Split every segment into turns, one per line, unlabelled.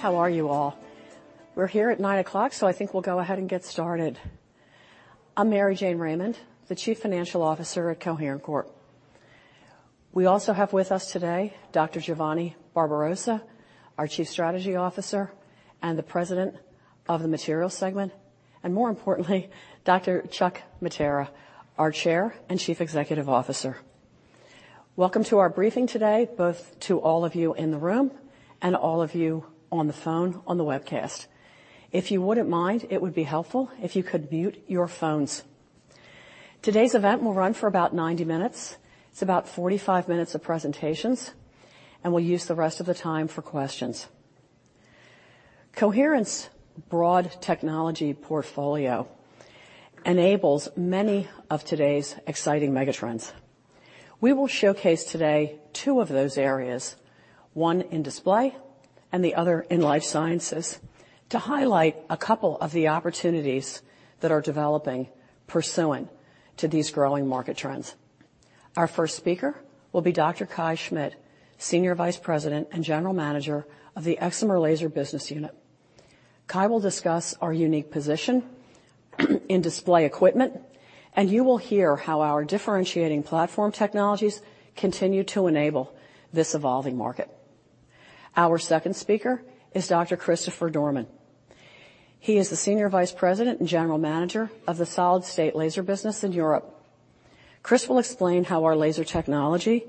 Good morning. How are you all? We're here at 9:00 AM, I think we'll go ahead and get started. I'm Mary Jane Raymond, the Chief Financial Officer at Coherent Corp. We also have with us today Dr. Giovanni Barbarossa, our Chief Strategy Officer and the President of the Materials segment, and more importantly, Dr. Chuck Mattera, our Chair and Chief Executive Officer. Welcome to our briefing today, both to all of you in the room and all of you on the phone on the webcast. If you wouldn't mind, it would be helpful if you could mute your phones. Today's event will run for about 90 minutes. It's about 45 minutes of presentations, we'll use the rest of the time for questions. Coherent's Broad Technology Portfolio enables many of today's exciting megatrends. We will showcase today two of those areas, one in display and the other in life sciences, to highlight a couple of the opportunities that are developing pursuant to these growing market trends. Our first speaker will be Dr. Kai Schmidt, Senior Vice President and General Manager of the Excimer Laser Business Unit. Kai will discuss our unique position in display equipment, and you will hear how our differentiating platform technologies continue to enable this evolving market. Our second speaker is Dr. Christopher Dorman. He is the Senior Vice President and General Manager of the Solid-State Laser business in Europe. Chris will explain how our laser technology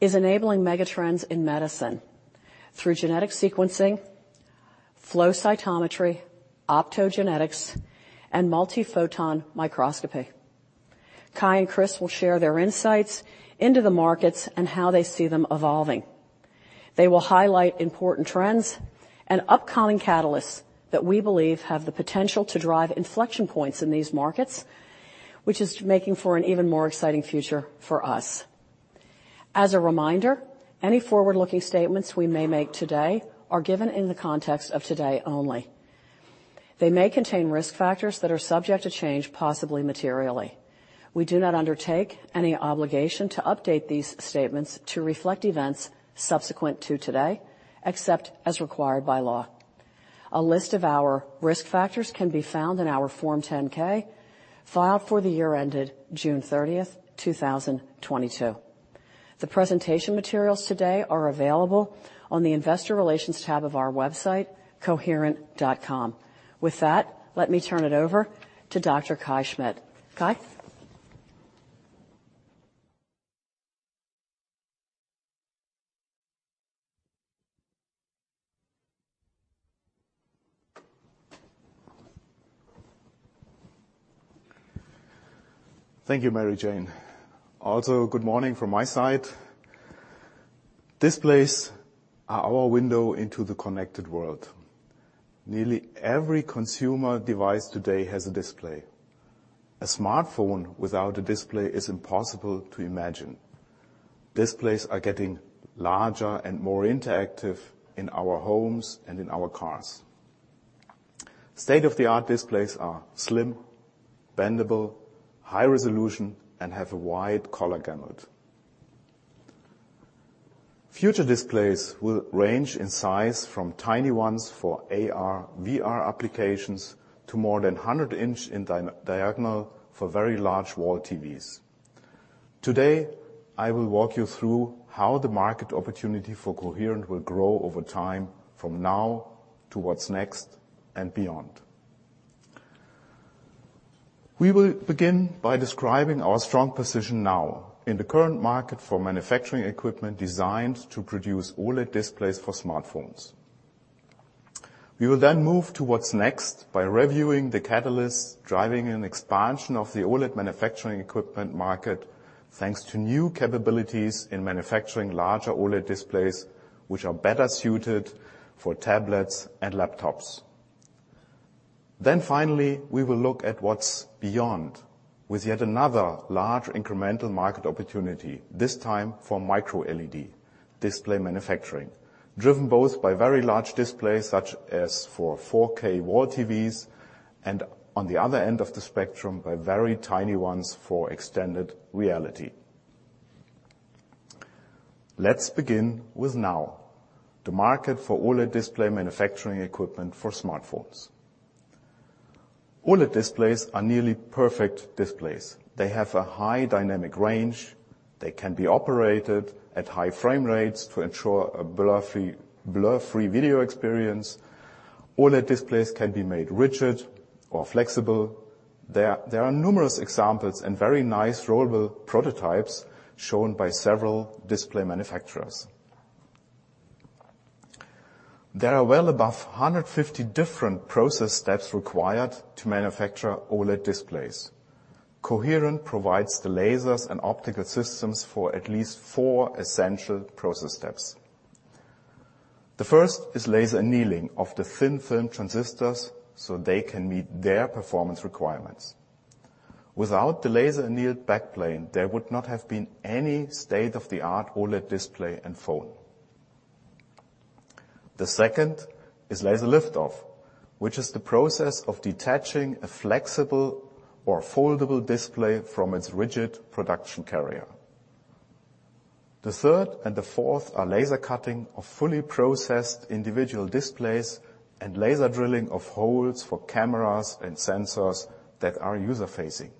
is enabling megatrends in medicine through genetic sequencing, flow cytometry, optogenetics, and multiphoton microscopy. Kai and Chris will share their insights into the markets and how they see them evolving. They will highlight important trends and upcoming catalysts that we believe have the potential to drive inflection points in these markets, which is making for an even more exciting future for us. As a reminder, any forward-looking statements we may make today are given in the context of today only. They may contain risk factors that are subject to change, possibly materially. We do not undertake any obligation to update these statements to reflect events subsequent to today, except as required by law. A list of our risk factors can be found in our Form 10-K filed for the year ended June 30, 2022. The presentation materials today are available on the investor relations tab of our website, coherent.com. With that, let me turn it over to Dr. Kai Schmidt. Kai?
Thank you, Mary Jane. Good morning from my side. Displays are our window into the connected world. Nearly every consumer device today has a display. A smartphone without a display is impossible to imagine. Displays are getting larger and more interactive in our homes and in our cars. State-of-the-art displays are slim, bendable, high resolution, and have a wide color gamut. Future displays will range in size from tiny ones for AR, VR applications to more than 100 inch in diagonal for very large wall TVs. Today, I will walk you through how the market opportunity for Coherent will grow over time from now to what's next and beyond. We will begin by describing our strong position now in the current market for manufacturing equipment designed to produce OLED displays for smartphones. We will then move to what's next by reviewing the catalysts driving an expansion of the OLED manufacturing equipment market, thanks to new capabilities in manufacturing larger OLED displays, which are better suited for tablets and laptops. Finally, we will look at what's beyond, with yet another large incremental market opportunity, this time for Micro LED display manufacturing, driven both by very large displays such as for 4K wall TVs and on the other end of the spectrum, by very tiny ones for extended reality. Let's begin with now, the market for OLED display manufacturing equipment for smartphones. OLED displays are nearly perfect displays. They have a high dynamic range. They can be operated at high frame rates to ensure a blur-free video experience. OLED displays can be made rigid or flexible. There are numerous examples and very nice rollable prototypes shown by several display manufacturers. There are well above 150 different process steps required to manufacture OLED displays. Coherent provides the lasers and optical systems for at least four essential process steps. The first is laser annealing of the thin film transistors so they can meet their performance requirements. Without the laser annealed backplane, there would not have been any state-of-the-art OLED display and phone. The second is laser lift-off, which is the process of detaching a flexible or foldable display from its rigid production carrier. The third and the fourth are laser cutting of fully processed individual displays and laser drilling of holes for cameras and sensors that are user-facing.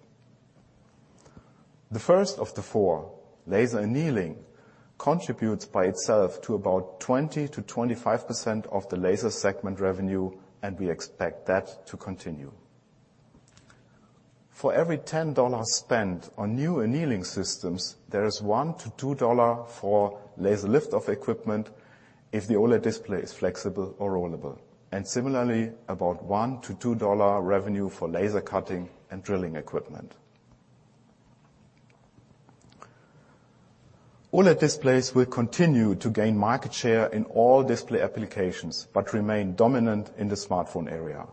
The first of the four, laser annealing, contributes by itself to about 20%-25% of the Laser Segment revenue, and we expect that to continue. For every $10 spent on new annealing systems, there is $1-$2 for laser lift-off equipment if the OLED display is flexible or rollable. Similarly, about $1-$2 revenue for laser cutting and drilling equipment. OLED displays will continue to gain market share in all display applications, but remain dominant in the smartphone area.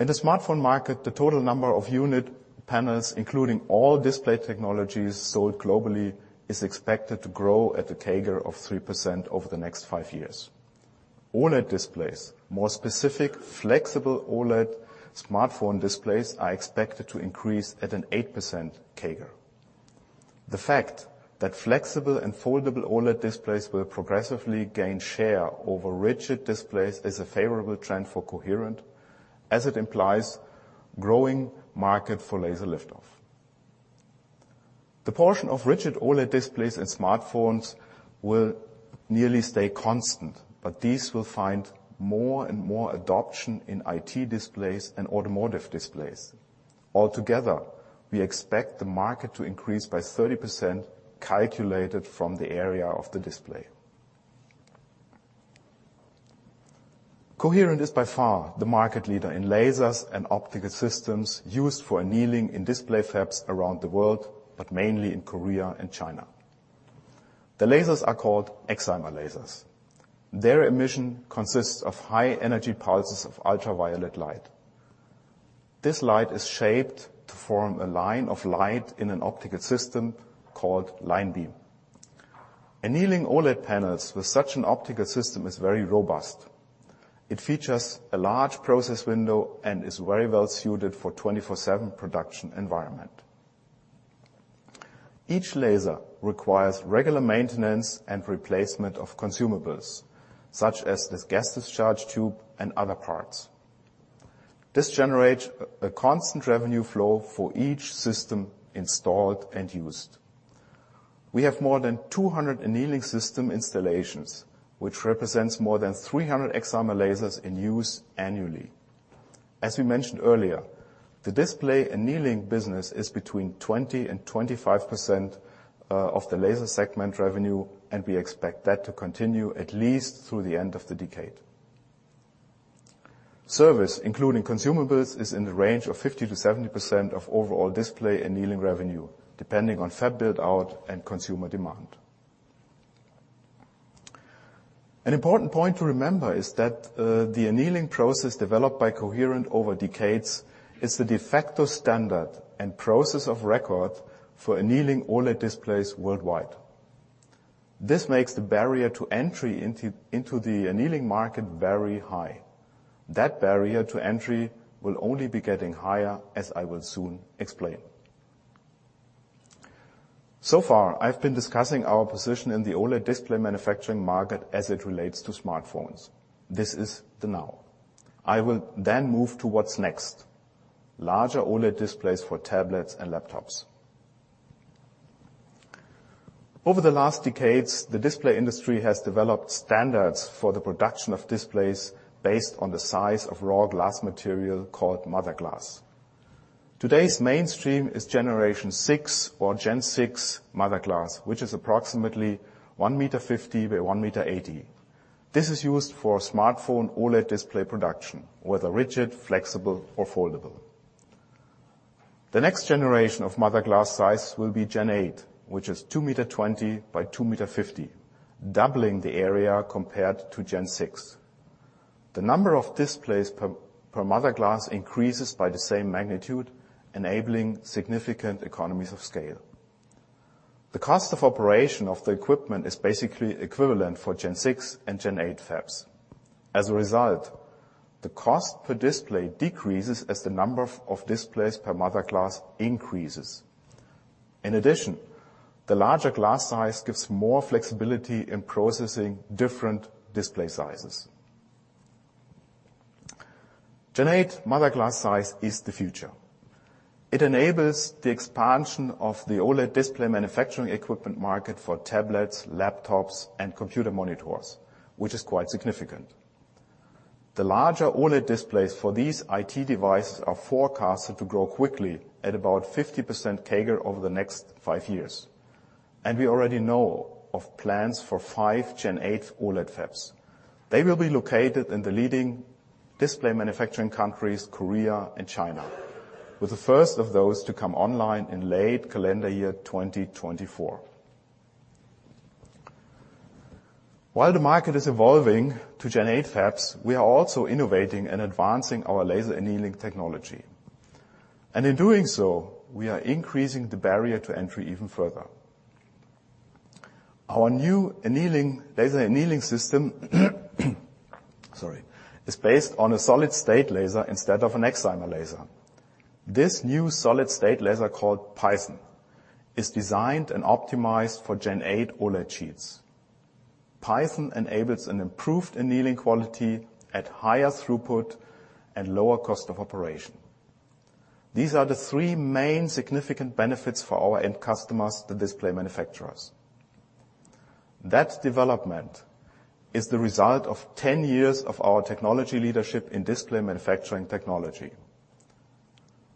In the smartphone market, the total number of unit panels, including all display technologies sold globally, is expected to grow at a CAGR of 3% over the next five years. OLED displays, more specific, flexible OLED smartphone displays, are expected to increase at an 8% CAGR. The fact that flexible and foldable OLED displays will progressively gain share over rigid displays is a favorable trend for Coherent as it implies growing market for laser lift-off. The portion of rigid OLED displays in smartphones will nearly stay constant, but these will find more and more adoption in IT displays and automotive displays. Altogether, we expect the market to increase by 30% calculated from the area of the display. Coherent is by far the market leader in lasers and optical systems used for annealing in display fabs around the world, but mainly in Korea and China. The lasers are called excimer lasers. Their emission consists of high energy pulses of ultraviolet light. This light is shaped to form a line of light in an optical system called line beam. Annealing OLED panels with such an optical system is very robust. It features a large process window and is very well suited for 24/7 production environment. Each laser requires regular maintenance and replacement of consumables, such as this gas discharge tube and other parts. This generates a constant revenue flow for each system installed and used. We have more than 200 annealing system installations, which represents more than 300 excimer lasers in use annually. As we mentioned earlier, the display annealing business is between 20%-25% of the laser segment revenue, and we expect that to continue at least through the end of the decade. Service, including consumables, is in the range of 50%-70% of overall display annealing revenue, depending on fab build-out and consumer demand. An important point to remember is that the annealing process developed by Coherent over decades is the de facto standard and process of record for annealing OLED displays worldwide. This makes the barrier to entry into the annealing market very high. That barrier to entry will only be getting higher, as I will soon explain. So far, I've been discussing our position in the OLED display manufacturing market as it relates to smartphones. This is the now. I will then move to what's next. Larger OLED displays for tablets and laptops. Over the last decades, the display industry has developed standards for the production of displays based on the size of raw glass material called mother glass. Today's mainstream is generation six or Gen 6 mother glass, which is approximately one meter 50 by one meter 80. This is used for smartphone OLED display production, whether rigid, flexible, or foldable. The next generation of mother glass size will be Gen 8, which is two meter 20 by two meter 50, doubling the area compared to Gen 6. The number of displays per mother glass increases by the same magnitude, enabling significant economies of scale. The cost of operation of the equipment is basically equivalent for Gen 6 and Gen 8 fabs. As a result, the cost per display decreases as the number of displays per mother glass increases. In addition, the larger glass size gives more flexibility in processing different display sizes. Gen 8 mother glass size is the future. It enables the expansion of the OLED display manufacturing equipment market for tablets, laptops, and computer monitors, which is quite significant. The larger OLED displays for these IT devices are forecasted to grow quickly at about 50% CAGR over the next five years. We already know of plans for five Gen 8 OLED fabs. They will be located in the leading display manufacturing countries, Korea and China, with the first of those to come online in late calendar year 2024. While the market is evolving to Gen 8 fabs, we are also innovating and advancing our laser annealing technology. In doing so, we are increasing the barrier to entry even further. Our new laser annealing system, sorry, is based on a solid-state laser instead of an excimer laser. This new solid-state laser, called PYTHON, is designed and optimized for Gen 8 OLED sheets. PYTHON enables an improved annealing quality at higher throughput and lower cost of operation. These are the three main significant benefits for our end customers, the display manufacturers. That development is the result of 10 years of our technology leadership in display manufacturing technology.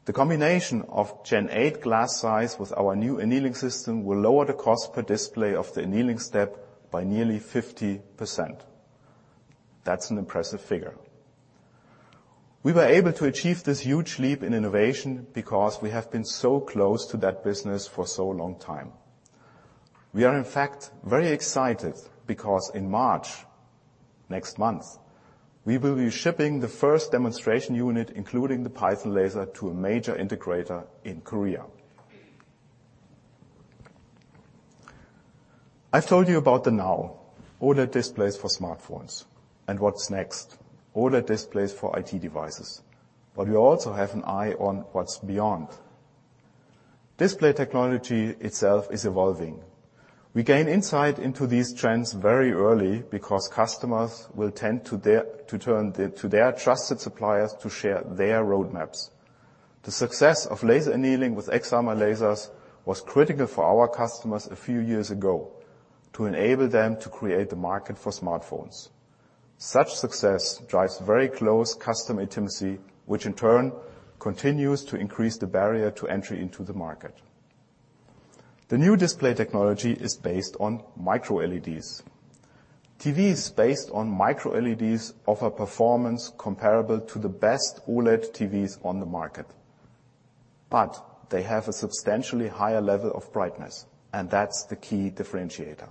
The combination of Gen 8 glass size with our new annealing system will lower the cost per display of the annealing step by nearly 50%. That's an impressive figure. We were able to achieve this huge leap in innovation because we have been so close to that business for so long time. We are, in fact, very excited because in March, next month, we will be shipping the first demonstration unit, including the PYTHON laser, to a major integrator in Korea. I've told you about the now, OLED displays for smartphones. What's next, OLED displays for IT devices. We also have an eye on what's beyond. Display technology itself is evolving. We gain insight into these trends very early because customers will tend to their trusted suppliers to share their roadmaps. The success of laser annealing with excimer lasers was critical for our customers a few years ago to enable them to create the market for smartphones. Such success drives very close customer intimacy, which in turn continues to increase the barrier to entry into the market. The new display technology is based on MicroLEDs. TVs based on MicroLEDs offer performance comparable to the best OLED TVs on the market, but they have a substantially higher level of brightness, and that's the key differentiator.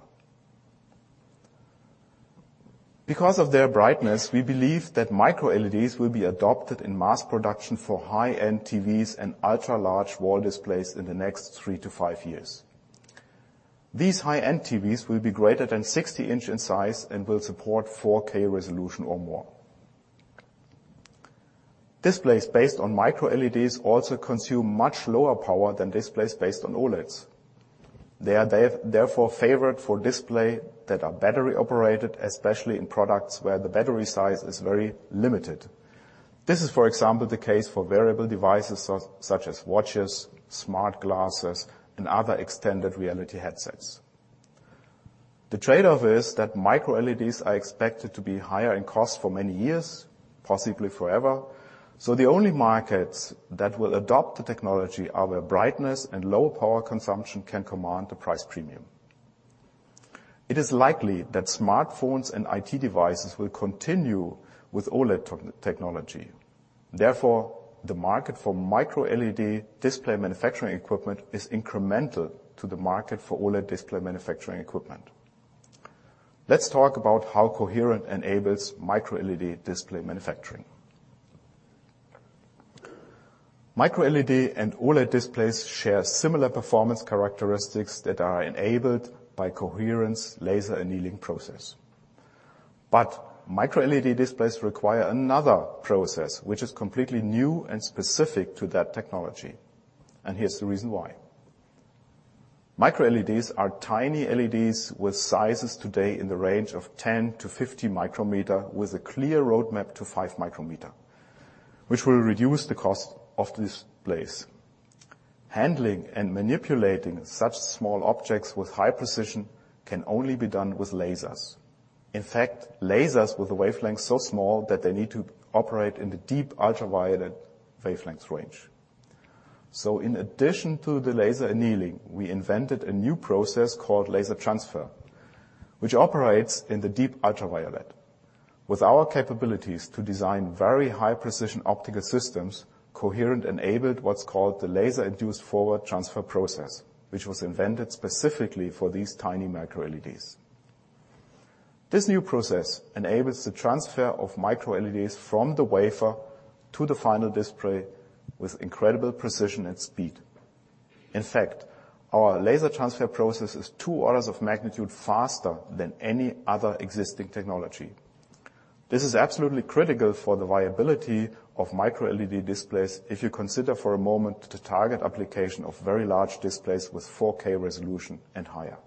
Because of their brightness, we believe that MicroLEDs will be adopted in mass production for high-end TVs and ultra-large wall displays in the next 3-5 years. These high-end TVs will be greater than 60 inch in size and will support 4K resolution or more. Displays based on MicroLEDs also consume much lower power than displays based on OLEDs. They are therefore favored for display that are battery-operated, especially in products where the battery size is very limited. This is, for example, the case for wearable devices such as watches, smart glasses, and other extended reality headsets. The trade-off is that MicroLEDs are expected to be higher in cost for many years, possibly forever, so the only markets that will adopt the technology are where brightness and low power consumption can command a price premium. It is likely that smartphones and IT devices will continue with OLED technology, therefore, the market for MicroLED display manufacturing equipment is incremental to the market for OLED display manufacturing equipment. Let's talk about how Coherent enables MicroLED display manufacturing. MicroLED and OLED displays share similar performance characteristics that are enabled by Coherent's laser annealing process. MicroLED displays require another process which is completely new and specific to that technology. Here's the reason why. MicroLEDs are tiny LEDs with sizes today in the range of 10 to 50 micrometer with a clear roadmap to five micrometer, which will reduce the cost of displays. Handling and manipulating such small objects with high precision can only be done with lasers. In fact, lasers with a wavelength so small that they need to operate in the deep ultraviolet wavelength range. In addition to the laser annealing, we invented a new process called laser transfer, which operates in the deep ultraviolet. With our capabilities to design very high precision optical systems, Coherent enabled what's called the Laser-Induced Forward Transfer process, which was invented specifically for these tiny MicroLEDs. This new process enables the transfer of MicroLEDs from the wafer to the final display with incredible precision and speed. In fact, our laser transfer process is two orders of magnitude faster than any other existing technology. This is absolutely critical for the viability of MicroLED displays if you consider for a moment the target application of very large displays with 4K resolution and higher.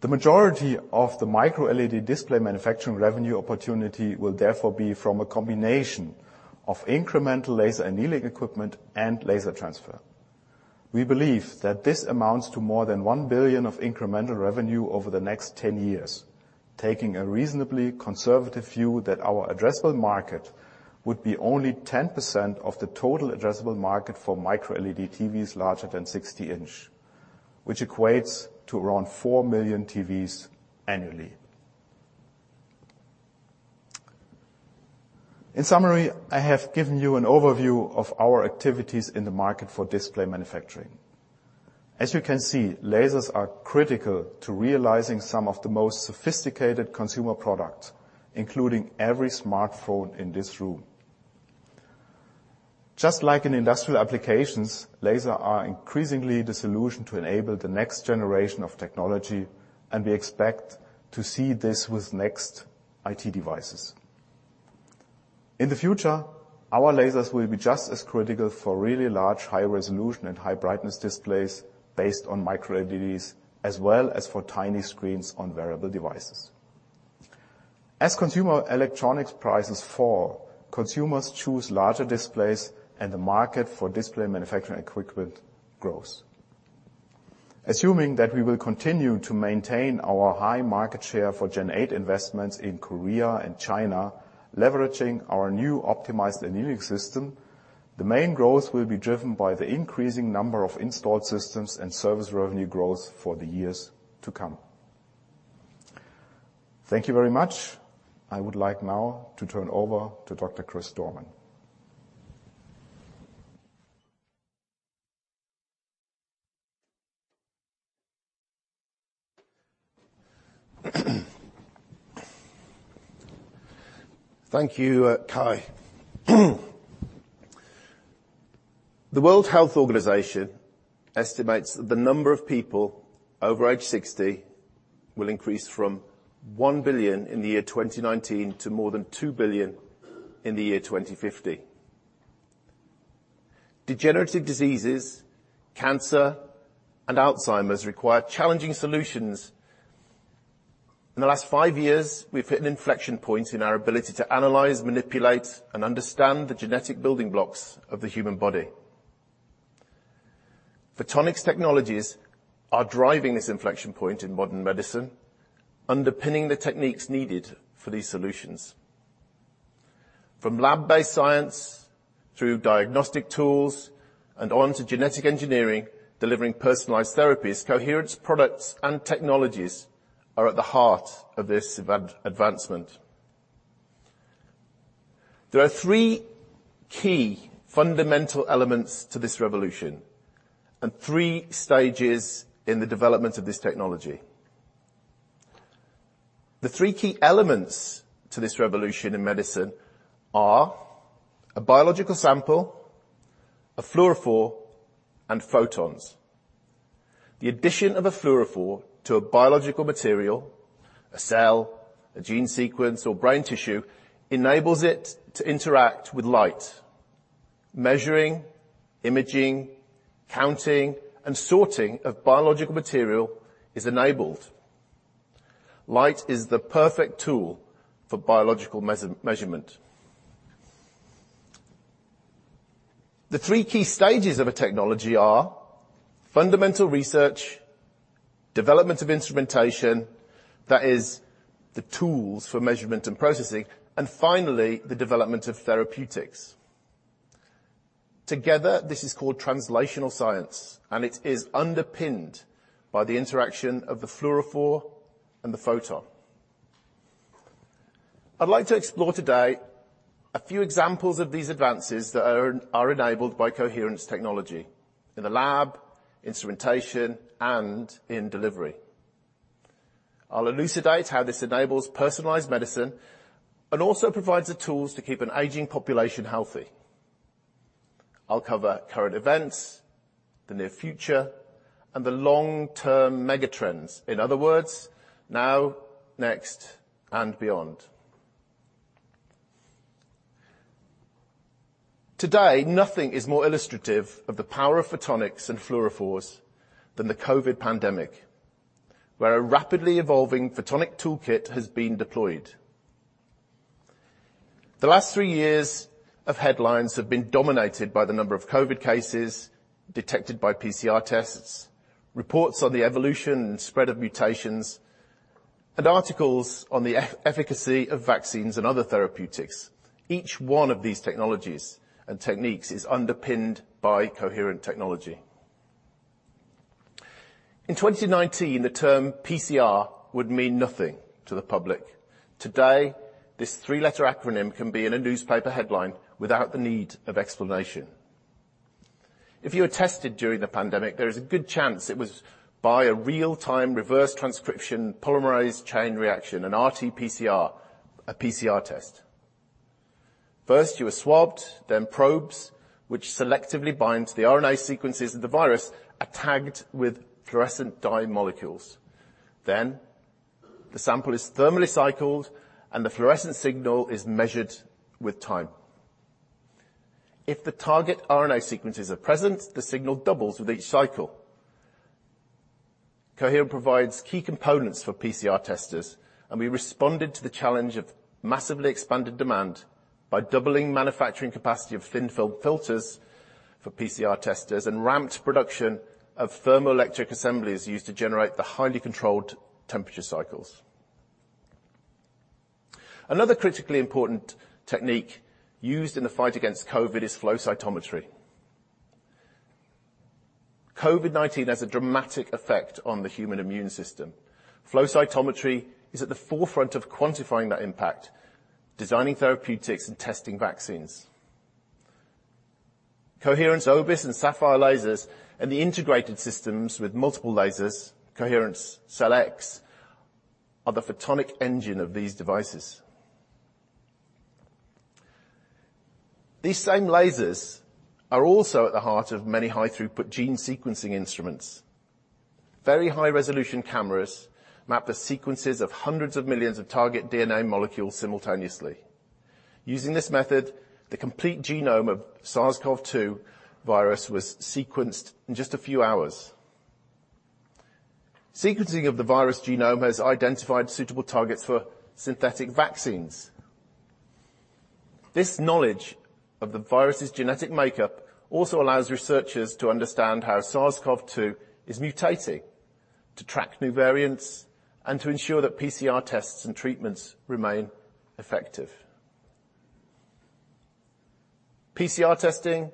The majority of the MicroLED display manufacturing revenue opportunity will therefore be from a combination of incremental laser annealing equipment and laser transfer. We believe that this amounts to more than $1 billion of incremental revenue over the next 10 years, taking a reasonably conservative view that our addressable market would be only 10% of the total addressable market for MicroLED TVs larger than 60 inch, which equates to around 4 million TVs annually. In summary, I have given you an overview of our activities in the market for display manufacturing. As you can see, lasers are critical to realizing some of the most sophisticated consumer products, including every smartphone in this room. Just like in industrial applications, laser are increasingly the solution to enable the next generation of technology. We expect to see this with next IT devices. In the future, our lasers will be just as critical for really large high-resolution and high-brightness displays based on MicroLEDs, as well as for tiny screens on wearable devices. As consumer electronics prices fall, consumers choose larger displays and the market for display manufacturing equipment grows. Assuming that we will continue to maintain our high market share for Gen 8 investments in Korea and China, leveraging our new optimized annealing system, the main growth will be driven by the increasing number of installed systems and service revenue growth for the years to come. Thank you very much. I would like now to turn over to Dr. Chris Dorman.
Thank you, Kai. The World Health Organization estimates that the number of people over age 60 will increase from one billion in the year 2019 to more than two billion in the year 2050. Degenerative diseases, cancer, and Alzheimer's require challenging solutions. In the last five years, we've hit an inflection point in our ability to analyze, manipulate, and understand the genetic building blocks of the human body. Photonics technologies are driving this inflection point in modern medicine, underpinning the techniques needed for these solutions. From lab-based science through diagnostic tools and on to genetic engineering, delivering personalized therapies, Coherent's products and technologies are at the heart of this advancement. There are three key fundamental elements to this revolution and t shree stages in the development of this technology. The three key elements to this revolution in medicine are a biological sample, a fluorophore, and photons. The addition of a fluorophore to a biological material, a cell, a gene sequence, or brain tissue enables it to interact with light. Measuring, imaging, counting, and sorting of biological material is enabled. Light is the perfect tool for biological measurement. The three key stages of a technology are fundamental research, development of instrumentation, that is the tools for measurement and processing, and finally, the development of therapeutics. Together, this is called translational science, and it is underpinned by the interaction of the fluorophore and the photon. I'd like to explore today a few examples of these advances that are enabled by Coherent's technology in the lab, instrumentation, and in delivery. I'll elucidate how this enables personalized medicine and also provides the tools to keep an aging population healthy. I'll cover current events, the near future, and the long-term mega trends. In other words, now, next, and beyond. Today, nothing is more illustrative of the power of photonics and fluorophores than the COVID pandemic, where a rapidly evolving photonic toolkit has been deployed. The last three years of headlines have been dominated by the number of COVID cases detected by PCR tests, reports on the evolution and spread of mutations, and articles on the efficacy of vaccines and other therapeutics. Each one of these technologies and techniques is underpinned by Coherent technology. In 2019, the term PCR would mean nothing to the public. Today, this three-letter acronym can be in a newspaper headline without the need of explanation. If you were tested during the pandemic, there is a good chance it was by a real-time reverse transcription polymerase chain reaction, an RT-PCR, a PCR test. First, you are swabbed, then probes, which selectively bind to the RNA sequences of the virus, are tagged with fluorescent dye molecules. The sample is thermally cycled, and the fluorescent signal is measured with time. If the target RNA sequences are present, the signal doubles with each cycle. Coherent provides key components for PCR testers, and we responded to the challenge of massively expanded demand by doubling manufacturing capacity of thin-film filters for PCR testers and ramped production of thermoelectric assemblies used to generate the highly controlled temperature cycles. Another critically important technique used in the fight against COVID is flow cytometry. COVID-19 has a dramatic effect on the human immune system. Flow cytometry is at the forefront of quantifying that impact, designing therapeutics and testing vaccines. Coherent's OBIS and Sapphire lasers and the integrated systems with multiple lasers, Coherent's CellX, are the photonic engine of these devices. These same lasers are also at the heart of many high throughput gene sequencing instruments. Very high-resolution cameras map the sequences of hundreds of millions of target DNA molecules simultaneously. Using this method, the complete genome of SARS-CoV-2 virus was sequenced in just a few hours. Sequencing of the virus genome has identified suitable targets for synthetic vaccines. This knowledge of the virus's genetic makeup also allows researchers to understand how SARS-CoV-2 is mutating, to track new variants, and to ensure that PCR tests and treatments remain effective. PCR testing,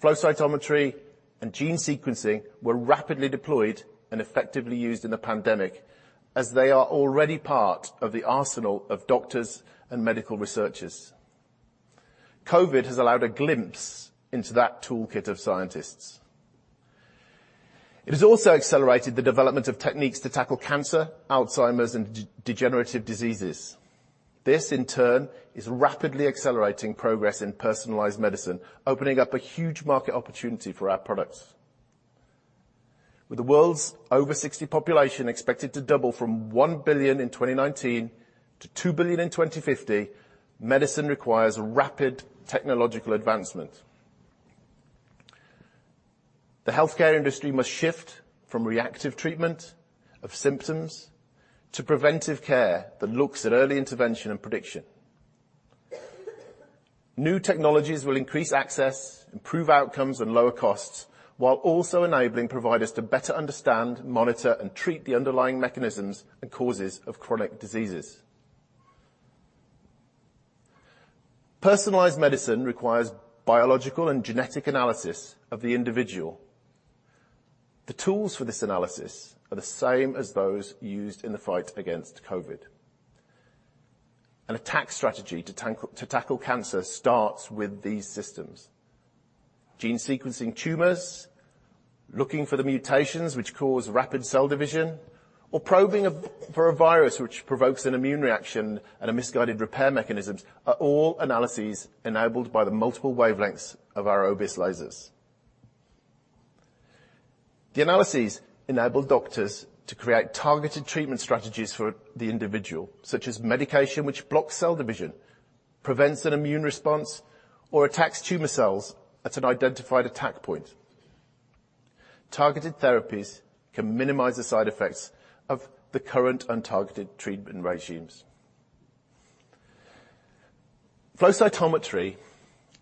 flow cytometry, and gene sequencing were rapidly deployed and effectively used in the pandemic as they are already part of the arsenal of doctors and medical researchers. COVID has allowed a glimpse into that toolkit of scientists. It has also accelerated the development of techniques to tackle cancer, Alzheimer's, and degenerative diseases. This, in turn, is rapidly accelerating progress in personalized medicine, opening up a huge market opportunity for our products. With the world's over 60 population expected to double from one billion in 2019 to two billion in 2050, medicine requires rapid technological advancement. The healthcare industry must shift from reactive treatment of symptoms to preventive care that looks at early intervention and prediction. New technologies will increase access, improve outcomes, and lower costs, while also enabling providers to better understand, monitor, and treat the underlying mechanisms and causes of chronic diseases. Personalized medicine requires biological and genetic analysis of the individual. The tools for this analysis are the same as those used in the fight against COVID. An attack strategy to tackle cancer starts with these systems. Gene sequencing tumors, looking for the mutations which cause rapid cell division, or probing for a virus which provokes an immune reaction and a misguided repair mechanisms are all analyses enabled by the multiple wavelengths of our OBIS lasers. The analyses enable doctors to create targeted treatment strategies for the individual, such as medication which blocks cell division, prevents an immune response, or attacks tumor cells at an identified attack point. Targeted therapies can minimize the side effects of the current untargeted treatment regimes. Flow cytometry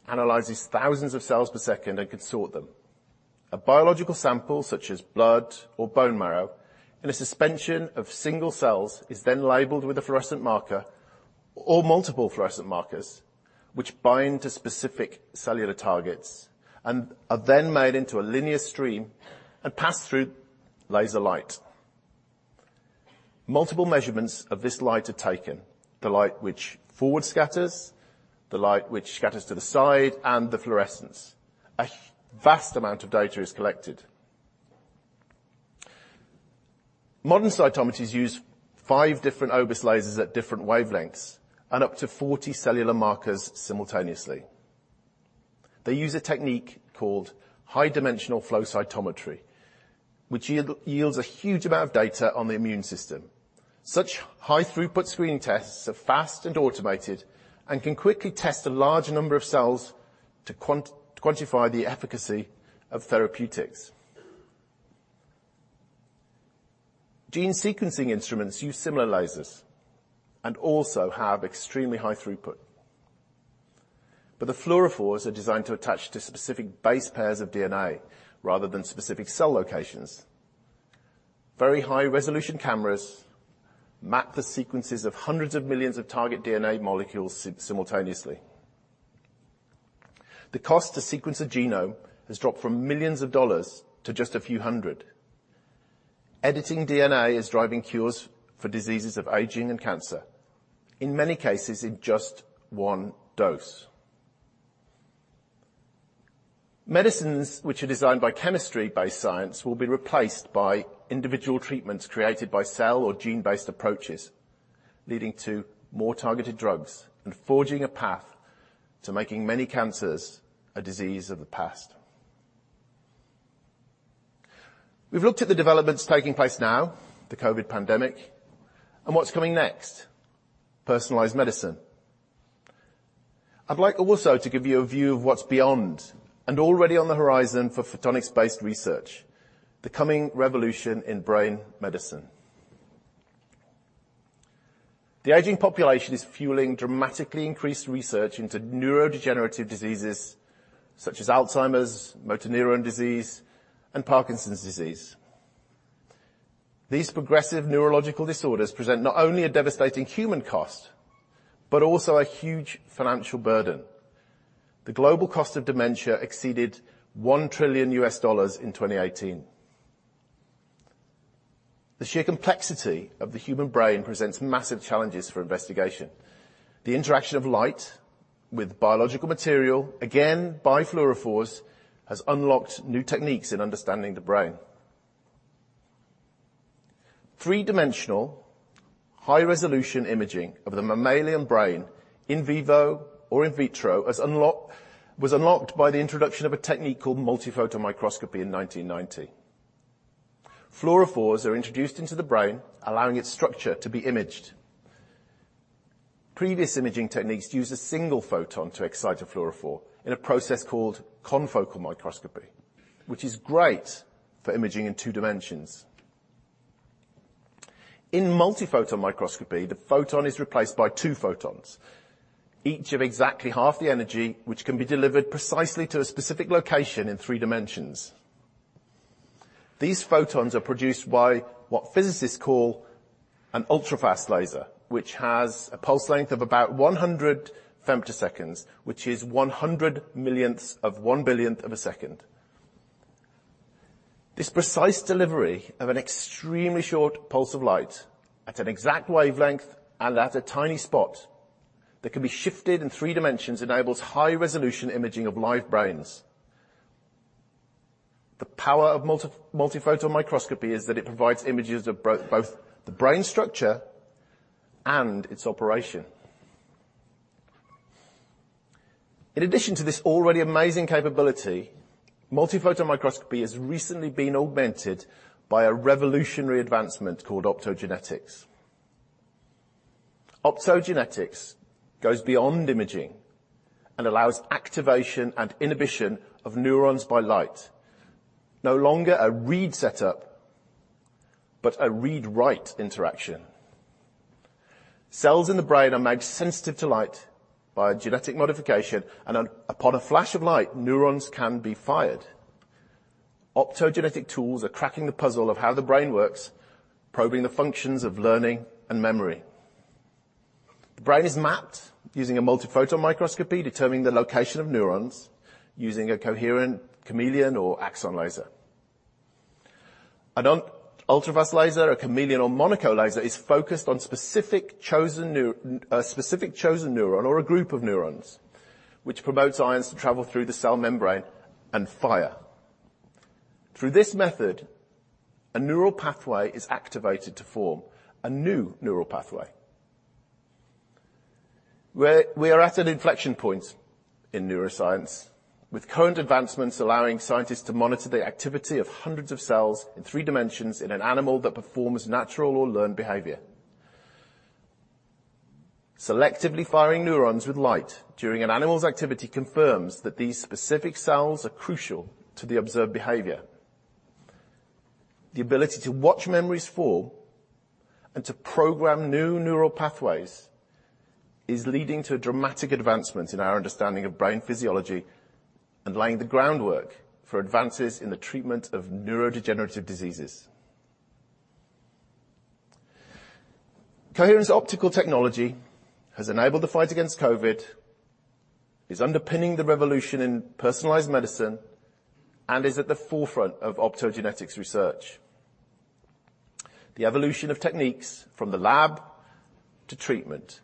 analyzes thousands of cells per second and can sort them. A biological sample, such as blood or bone marrow, in a suspension of single cells is then labeled with a fluorescent marker or multiple fluorescent markers which bind to specific cellular targets and are then made into a linear stream and pass through laser light. Multiple measurements of this light are taken, the light which forward scatters, the light which scatters to the side, and the fluorescence. A vast amount of data is collected. Modern cytometries use five different OBIS lasers at different wavelengths and up to 40 cellular markers simultaneously. They use a technique called high-dimensional flow cytometry, which yields a huge amount of data on the immune system. Such high throughput screening tests are fast and automated and can quickly test a large number of cells to quantify the efficacy of therapeutics. Gene sequencing instruments use similar lasers and also have extremely high throughput. The fluorophores are designed to attach to specific base pairs of DNA rather than specific cell locations. Very high-resolution cameras map the sequences of hundreds of millions of target DNA molecules simultaneously. The cost to sequence a genome has dropped from millions of dollars to just a few hundred. Editing DNA is driving cures for diseases of aging and cancer, in many cases in just one dose. Medicines which are designed by chemistry-based science will be replaced by individual treatments created by cell or gene-based approaches, leading to more targeted drugs and forging a path to making many cancers a disease of the past. We've looked at the developments taking place now, the COVID pandemic, and what's coming next, personalized medicine. I'd like also to give you a view of what's beyond and already on the horizon for photonics-based research, the coming revolution in brain medicine. The aging population is fueling dramatically increased research into neurodegenerative diseases such as Alzheimer's, motor neuron disease, and Parkinson's disease. These progressive neurological disorders present not only a devastating human cost, but also a huge financial burden. The global cost of dementia exceeded $1 trillion in 2018. The sheer complexity of the human brain presents massive challenges for investigation. The interaction of light with biological material, again by fluorophores, has unlocked new techniques in understanding the brain. Three-dimensional high-resolution imaging of the mammalian brain in vivo or in vitro was unlocked by the introduction of a technique called multiphoton microscopy in 1990. Fluorophores are introduced into the brain, allowing its structure to be imaged. Previous imaging techniques use a single photon to excite a fluorophore in a process called confocal microscopy, which is great for imaging in two dimensions. In multiphoton microscopy, the photon is replaced by two photons, each of exactly half the energy which can be delivered precisely to a specific location in three dimensions. These photons are produced by what physicists call an ultrafast laser, which has a pulse length of about 100 femtoseconds, which is 100 millionths of one billionth of a second. This precise delivery of an extremely short pulse of light at an exact wavelength and at a tiny spot that can be shifted in three dimensions enables high-resolution imaging of live brains. The power of multiphoton microscopy is that it provides images of both the brain structure and its operation. In addition to this already amazing capability, multiphoton microscopy has recently been augmented by a revolutionary advancement called optogenetics. Optogenetics goes beyond imaging and allows activation and inhibition of neurons by light. No longer a read setup, but a read/write interaction. Cells in the brain are made sensitive to light by a genetic modification and upon a flash of light, neurons can be fired. Optogenetic tools are cracking the puzzle of how the brain works, probing the functions of learning and memory. The brain is mapped using a multiphoton microscopy, determining the location of neurons using a Coherent Chameleon or Axon laser. An ultrafast laser, a Chameleon or Monaco laser is focused on a specific chosen neuron or a group of neurons, which promotes ions to travel through the cell membrane and fire. Through this method, a neural pathway is activated to form a new neural pathway. We are at an inflection point in neuroscience, with current advancements allowing scientists to monitor the activity of hundreds of cells in three dimensions in an animal that performs natural or learned behavior. Selectively firing neurons with light during an animal's activity confirms that these specific cells are crucial to the observed behavior. The ability to watch memories form and to program new neural pathways is leading to a dramatic advancement in our understanding of brain physiology and laying the groundwork for advances in the treatment of neurodegenerative diseases. Coherent's optical technology has enabled the fight against COVID, is underpinning the revolution in personalized medicine, and is at the forefront of optogenetics research. The evolution of techniques from the lab to treatment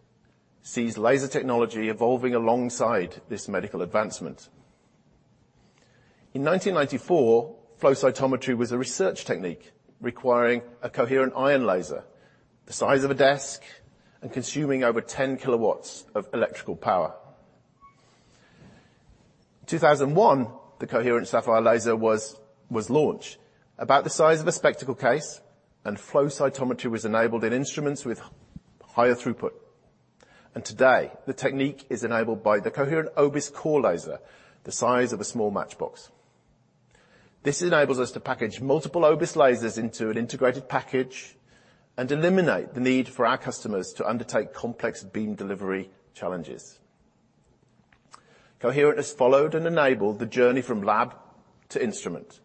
sees laser technology evolving alongside this medical advancement. In 1994, flow cytometry was a research technique requiring a Coherent ion laser the size of a desk and consuming over 10 kW of electrical power. In 2001, the Coherent Sapphire laser was launched about the size of a spectacle case, flow cytometry was enabled in instruments with higher throughput. Today, the technique is enabled by the Coherent OBIS CORE laser, the size of a small matchbox. This enables us to package multiple OBIS lasers into an integrated package and eliminate the need for our customers to undertake complex beam delivery challenges. Coherent has followed and enabled the journey from lab to instrument.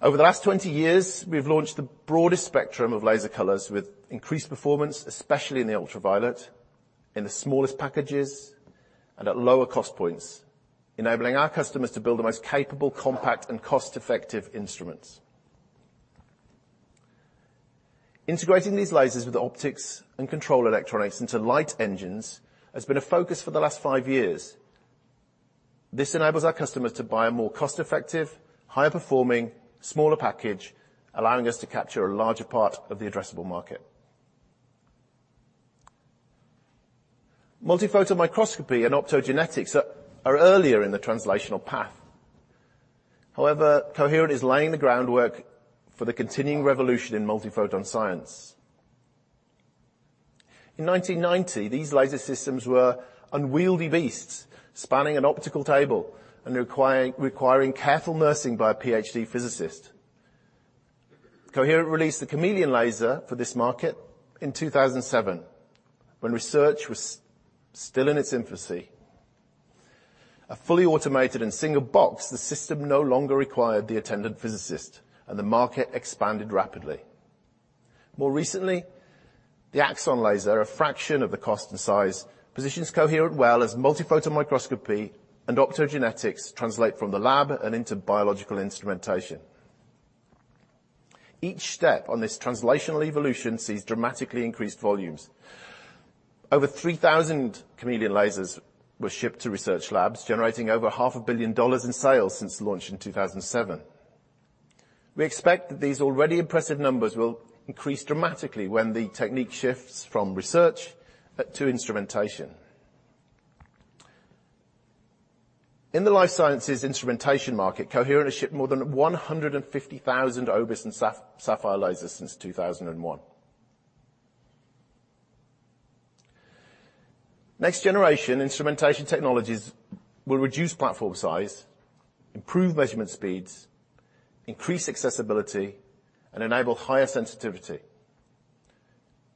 Over the last 20 years, we have launched the broadest spectrum of laser colors with increased performance, especially in the ultraviolet, in the smallest packages, and at lower cost points, enabling our customers to build the most capable, compact, and cost-effective instruments. Integrating these lasers with optics and control electronics into light engines has been a focus for the last five years. This enables our customers to buy a more cost-effective, higher-performing, smaller package, allowing us to capture a larger part of the addressable market. Multiphoton microscopy and optogenetics are earlier in the translational path. However, Coherent is laying the groundwork for the continuing revolution in multiphoton science. In 1990, these laser systems were unwieldy beasts, spanning an optical table and requiring careful nursing by a Ph.D. physicist. Coherent released the Chameleon laser for this market in 2007 when research was still in its infancy. A fully automated and single box, the system no longer required the attendant physicist, and the market expanded rapidly. More recently, the Axon laser, a fraction of the cost and size, positions Coherent well as multiphoton microscopy and optogenetics translate from the lab and into biological instrumentation. Each step on this translational evolution sees dramatically increased volumes. Over 3,000 Chameleon lasers were shipped to research labs, generating over half a billion dollars in sales since launch in 2007. We expect that these already impressive numbers will increase dramatically when the technique shifts from research to instrumentation. In the life sciences instrumentation market, Coherent has shipped more than 150,000 OBIS and Sapphire lasers since 2001. Next-generation instrumentation technologies will reduce platform size, improve measurement speeds, increase accessibility, and enable higher sensitivity.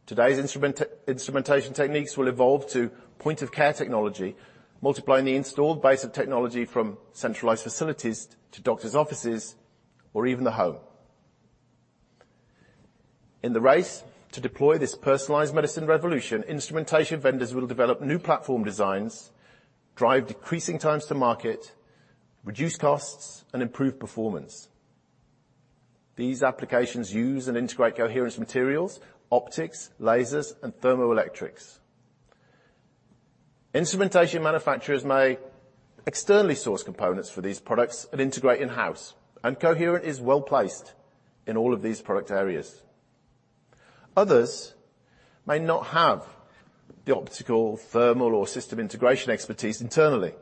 Today's instrumentation techniques will evolve to point-of-care technology, multiplying the installed base of technology from centralized facilities to doctor's offices or even the home. In the race to deploy this personalized medicine revolution, instrumentation vendors will develop new platform designs, drive decreasing times to market, reduce costs, and improve performance. These applications use and integrate Coherent's materials, optics, lasers, and thermoelectrics. Instrumentation manufacturers may externally source components for these products and integrate in-house, and Coherent is well-placed in all of these product areas. Others may not have the optical, thermal, or system integration expertise internally,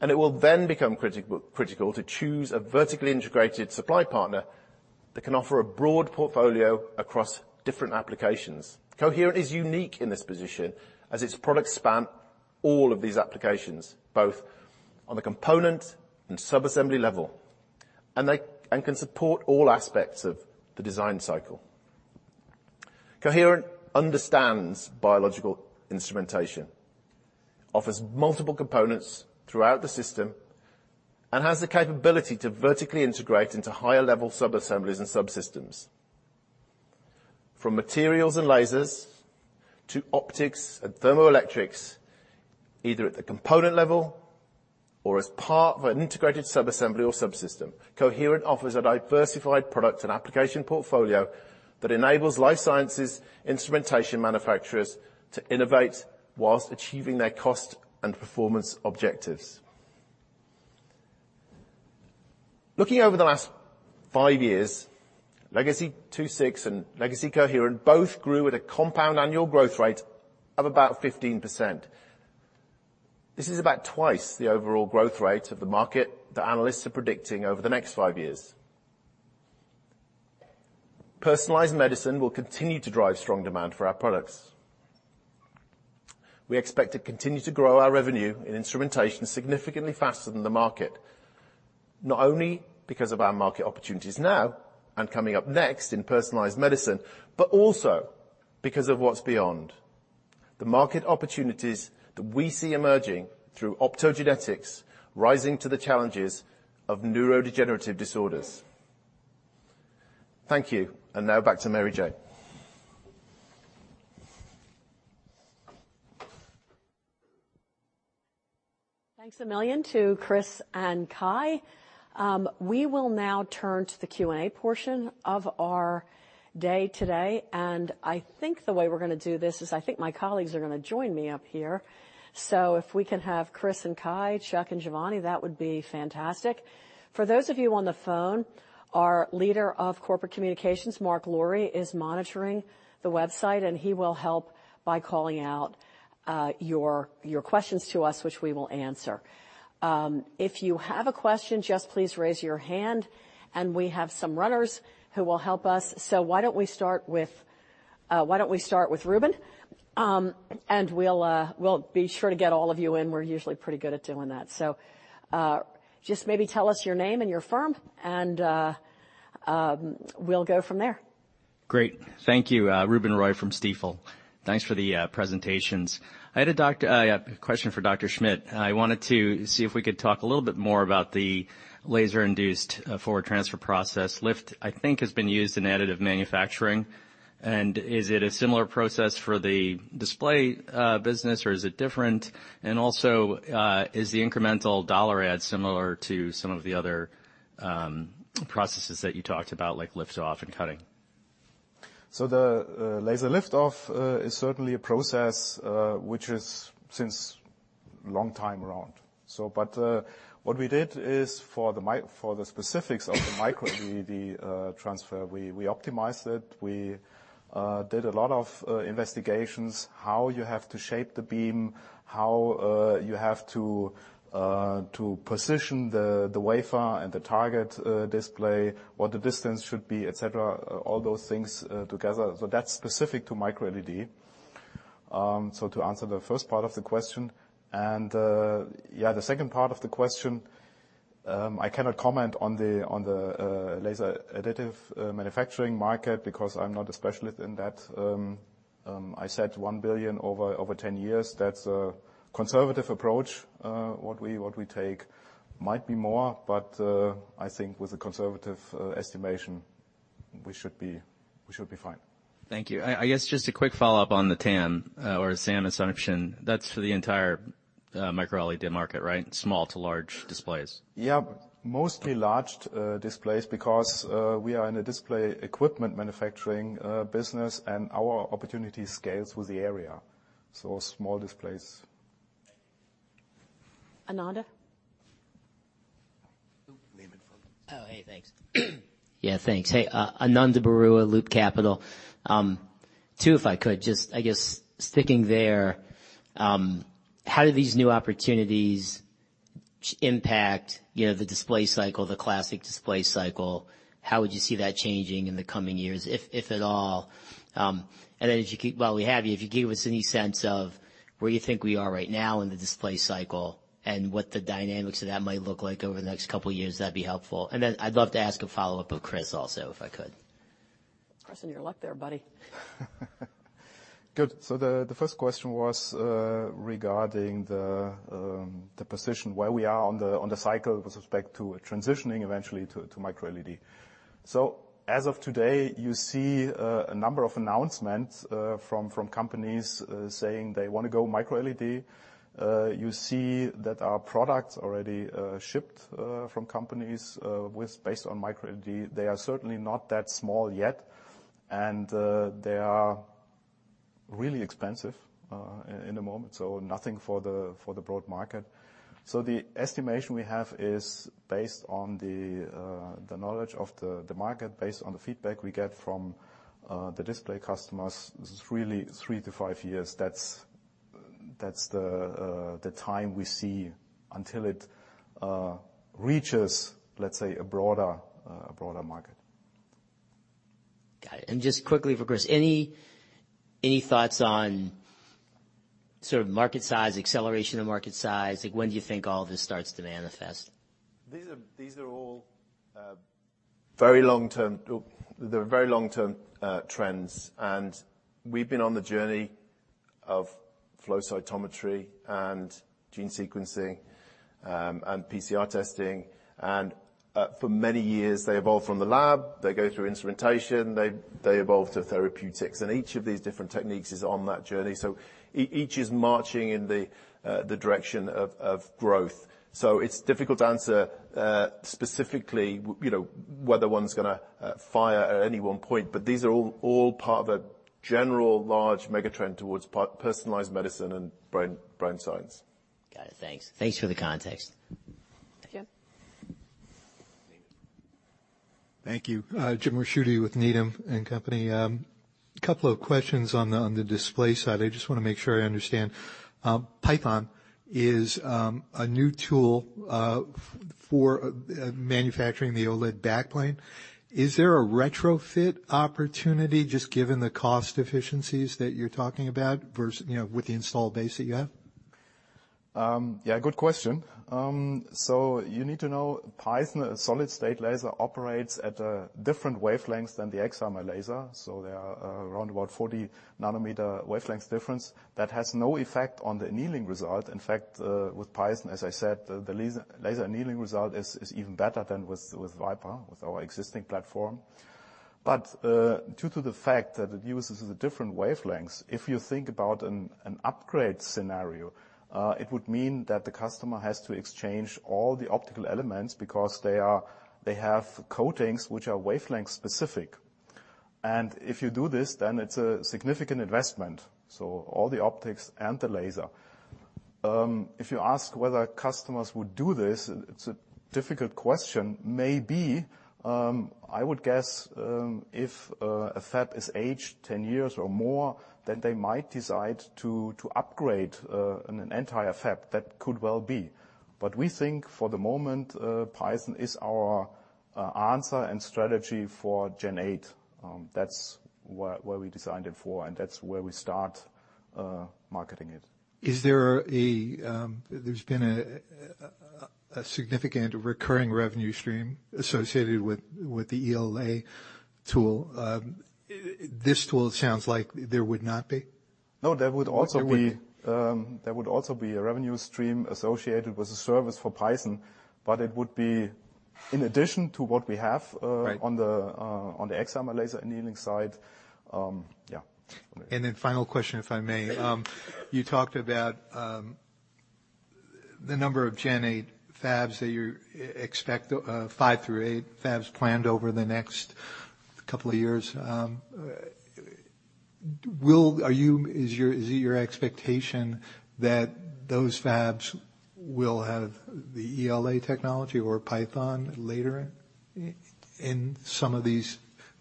and it will then become critical to choose a vertically integrated supply partner that can offer a broad portfolio across different applications. Coherent is unique in this position as its products span all of these applications, both on the component and sub-assembly level. Can support all aspects of the design cycle. Coherent understands biological instrumentation, offers multiple components throughout the system, and has the capability to vertically integrate into higher-level sub-assemblies and subsystems. From materials and lasers to optics and thermoelectrics, either at the component level or as part of an integrated sub-assembly or subsystem, Coherent offers a diversified product and application portfolio that enables life sciences instrumentation manufacturers to innovate whilst achieving their cost and performance objectives. Looking over the last five years, Legacy II-VI and Legacy Coherent both grew at a compound annual growth rate of about 15%. This is about twice the overall growth rate of the market that analysts are predicting over the next five years. Personalized medicine will continue to drive strong demand for our products. We expect to continue to grow our revenue in instrumentation significantly faster than the market, not only because of our market opportunities now and coming up next in personalized medicine, but also because of what's beyond. The market opportunities that we see emerging through optogenetics, rising to the challenges of neurodegenerative disorders. Thank you. Now back to Mary Jane.
Thanks a million to Chris and Kai. We will now turn to the Q&A portion of our day today. I think the way we're gonna do this is I think my colleagues are gonna join me up here. If we can have Chris and Kai, Chuck, and Giovanni, that would be fantastic. For those of you on the phone, our leader of corporate communications, Mark Lourie, is monitoring the website, and he will help by calling out your questions to us, which we will answer. If you have a question, just please raise your hand, and we have some runners who will help us. Why don't we start with Ruben? We'll be sure to get all of you in. We're usually pretty good at doing that. Just maybe tell us your name and your firm, and we'll go from there.
Great. Thank you. Ruben Roy from Stifel. Thanks for the presentations. I had a question for Dr. Schmidt. I wanted to see if we could talk a little bit more about the Laser-Induced Forward Transfer process. LIFT, I think, has been used in additive manufacturing. Is it a similar process for the display business, or is it different? Also, is the incremental dollar add similar to some of the other processes that you talked about, like lift-off and cutting?
The laser lift-off is certainly a process which is since long time around. What we did is for the specifics of the MicroLED transfer, we optimized it. We did a lot of investigations, how you have to shape the beam, how you have to position the wafer and the target display, what the distance should be, et cetera, all those things together. That's specific to MicroLED. To answer the first part of the question and the second part of the question, I cannot comment on the laser additive manufacturing market because I'm not a specialist in that. I said $1 billion over 10 years. That's a conservative approach what we take. Might be more, I think with a conservative estimation, we should be fine. Thank you. I guess just a quick follow-up on the TAM or the SAM assumption. That's for the entire MicroLED market, right? Small to large displays. Yeah. Mostly large displays because we are in a display equipment manufacturing business and our opportunity scales with the area. Small displays.
Ananda?
Oh, Nathan.
Oh, hey, thanks. Yeah, thanks. Hey, Ananda Baruah, Loop Capital. Two, if I could. Just I guess sticking there, how do these new opportunities impact, you know, the display cycle, the classic display cycle? How would you see that changing in the coming years, if at all? If you could, while we have you, if you could give us any sense of where you think we are right now in the display cycle and what the dynamics of that might look like over the next couple years, that'd be helpful. I'd love to ask a follow-up of Chris also, if I could.
Chris, you're in luck there, buddy.
Good. The first question was regarding the position where we are on the cycle with respect to transitioning eventually to MicroLED. As of today, you see a number of announcements from companies saying they wanna go MicroLED. You see that our products already shipped from companies with space on MicroLED. They are certainly not that small yet, and they are really expensive in the moment, so nothing for the broad market. The estimation we have is based on the knowledge of the market, based on the feedback we get from the display customers. It's really three to five years. That's the time we see until it reaches, let's say, a broader market.
Got it. Just quickly for Chris. Any thoughts on sort of market size, acceleration of market size? Like, when do you think all of this starts to manifest?
These are all very long-term trends. We've been on the journey of flow cytometry and gene sequencing and PCR testing. For many years, they evolved from the lab. They go through instrumentation. They evolved to therapeutics. Each of these different techniques is on that journey. Each is marching in the direction of growth. It's difficult to answer specifically, you know, whether one's gonna fire at any one point, but these are all part of a general large mega trend towards personalized medicine and brain science.
Got it. Thanks. Thanks for the context.
James?
Thank you. James Ricchiuti with Needham & Company. Couple of questions on the display side. I just wanna make sure I understand. Python is a new tool for manufacturing the OLED backplane. Is there a retrofit opportunity just given the cost efficiencies that you're talking about versus, you know, with the install base that you have?
Yeah, good question. You need to know PYTHON solid-state laser operates at a different wavelength than the excimer laser. They are around about 40 nanometer wavelength difference. That has no effect on the annealing result. In fact, with PYTHON, as I said, the laser annealing result is even better than with VYPER, with our existing platform. Due to the fact that it uses a different wavelengths, if you think about an upgrade scenario, it would mean that the customer has to exchange all the optical elements because they have coatings which are wavelength specific. If you do this, then it's a significant investment, so all the optics and the laser. If you ask whether customers would do this, it's a difficult question. Maybe, I would guess, if a fab is aged 10 years or more, then they might decide to upgrade an entire fab. That could well be. We think for the moment, PYTHON is our answer and strategy for Gen 8. That's what we designed it for, and that's where we start marketing it.
There's been a significant recurring revenue stream associated with the ELA tool. This tool sounds like there would not be?
No, there would also.
There would-
There would also be a revenue stream associated with the service for PYTHON, but it would be in addition to what we have.
Right.
On the, on the Excimer laser annealing side. Yeah.
Final question, if I may. You talked about the number of Gen 8 fabs that you expect, five to eight fabs planned over the next couple of years. Is it your expectation that those fabs will have the ELA technology or PYTHON later in some of these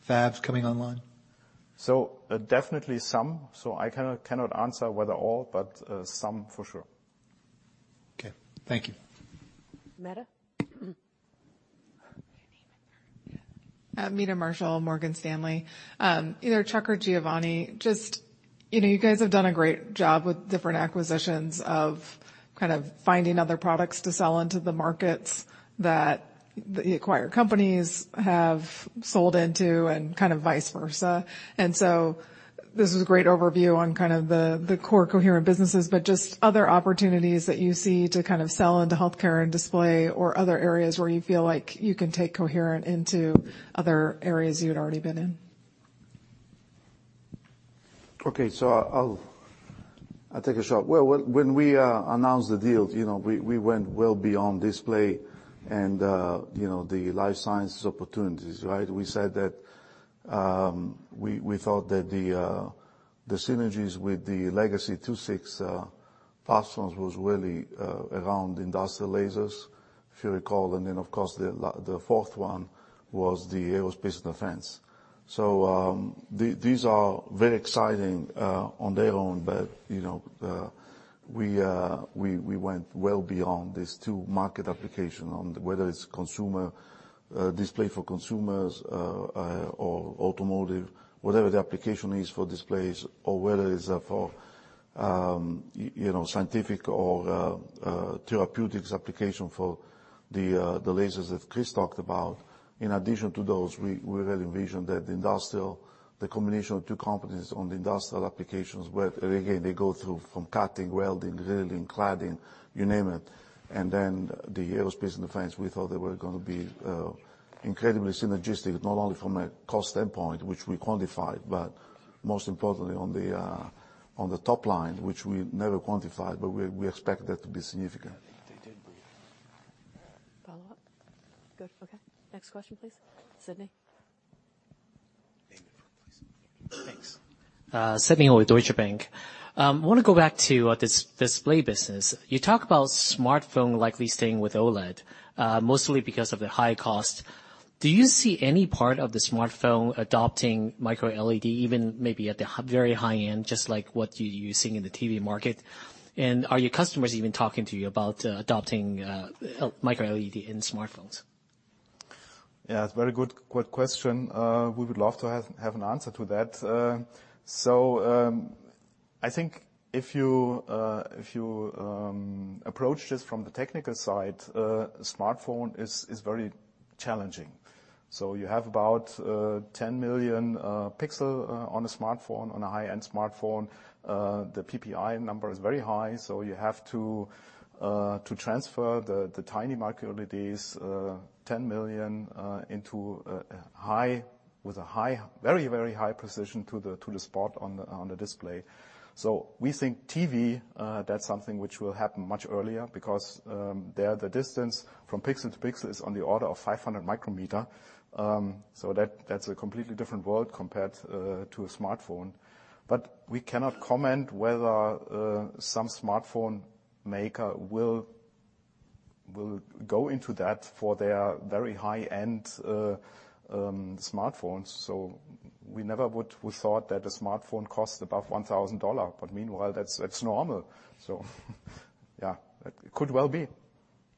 fabs coming online?
Definitely some. I cannot answer whether all, but some for sure.
Okay. Thank you. Meta?
Meta Marshall, Morgan Stanley. Either Chuck or Giovanni, just, you know, you guys have done a great job with different acquisitions of kind of finding other products to sell into the markets that the acquired companies have sold into, and kind of vice versa. This is a great overview on kind of the core Coherent businesses, but just other opportunities that you see to kind of sell into healthcare and display or other areas where you feel like you can take Coherent into other areas you'd already been in?
Okay. I'll take a shot. When we announced the deal, you know, we went well beyond display and, you know, the life sciences opportunities, right? We said that we thought that the synergies with the Legacy II-VI platforms was really around industrial lasers, if you recall. Of course, the fourth one was the Aerospace & Defense. These are very exciting on their own. You know, we went well beyond these two market application on whether it's consumer display for consumers or automotive, whatever the application is for displays or whether it's for, you know, scientific or therapeutics application for the lasers that Chris Dorman talked about. In addition to those, we had envisioned that industrial, the combination of two companies on the industrial applications, where, again, they go through from cutting, welding, drilling, cladding, you name it. The Aerospace & Defense, we thought they were gonna be incredibly synergistic, not only from a cost standpoint, which we quantified, but most importantly on the top line, which we never quantified, but we expect that to be significant.
Follow-up? Good. Okay. Next question, please. Sidney.
Name please.
Thanks. Sidney Ho with Deutsche Bank. I wanna go back to display business. You talk about smartphone likely staying with OLED, mostly because of the high cost. Do you see any part of the smartphone adopting MicroLED, even maybe at the very high-end, just like what you're seeing in the TV market? Are your customers even talking to you about adopting MicroLED in smartphones?
Yeah, it's very good question. We would love to have an answer to that. I think if you, if you approach this from the technical side, smartphone is very challenging. You have about 10 million pixel on a smartphone, on a high-end smartphone. The PPI number is very high, so you have to transfer the tiny MicroLEDs, 10 million, with a very high precision to the spot on the display. We think TV, that's something which will happen much earlier because there, the distance from pixel to pixel is on the order of 500 micrometer. That's a completely different world compared to a smartphone. We cannot comment whether some smartphone maker will go into that for their very high-end smartphones. We thought that a smartphone costs above $1,000, but meanwhile that's normal. Yeah, it could well be.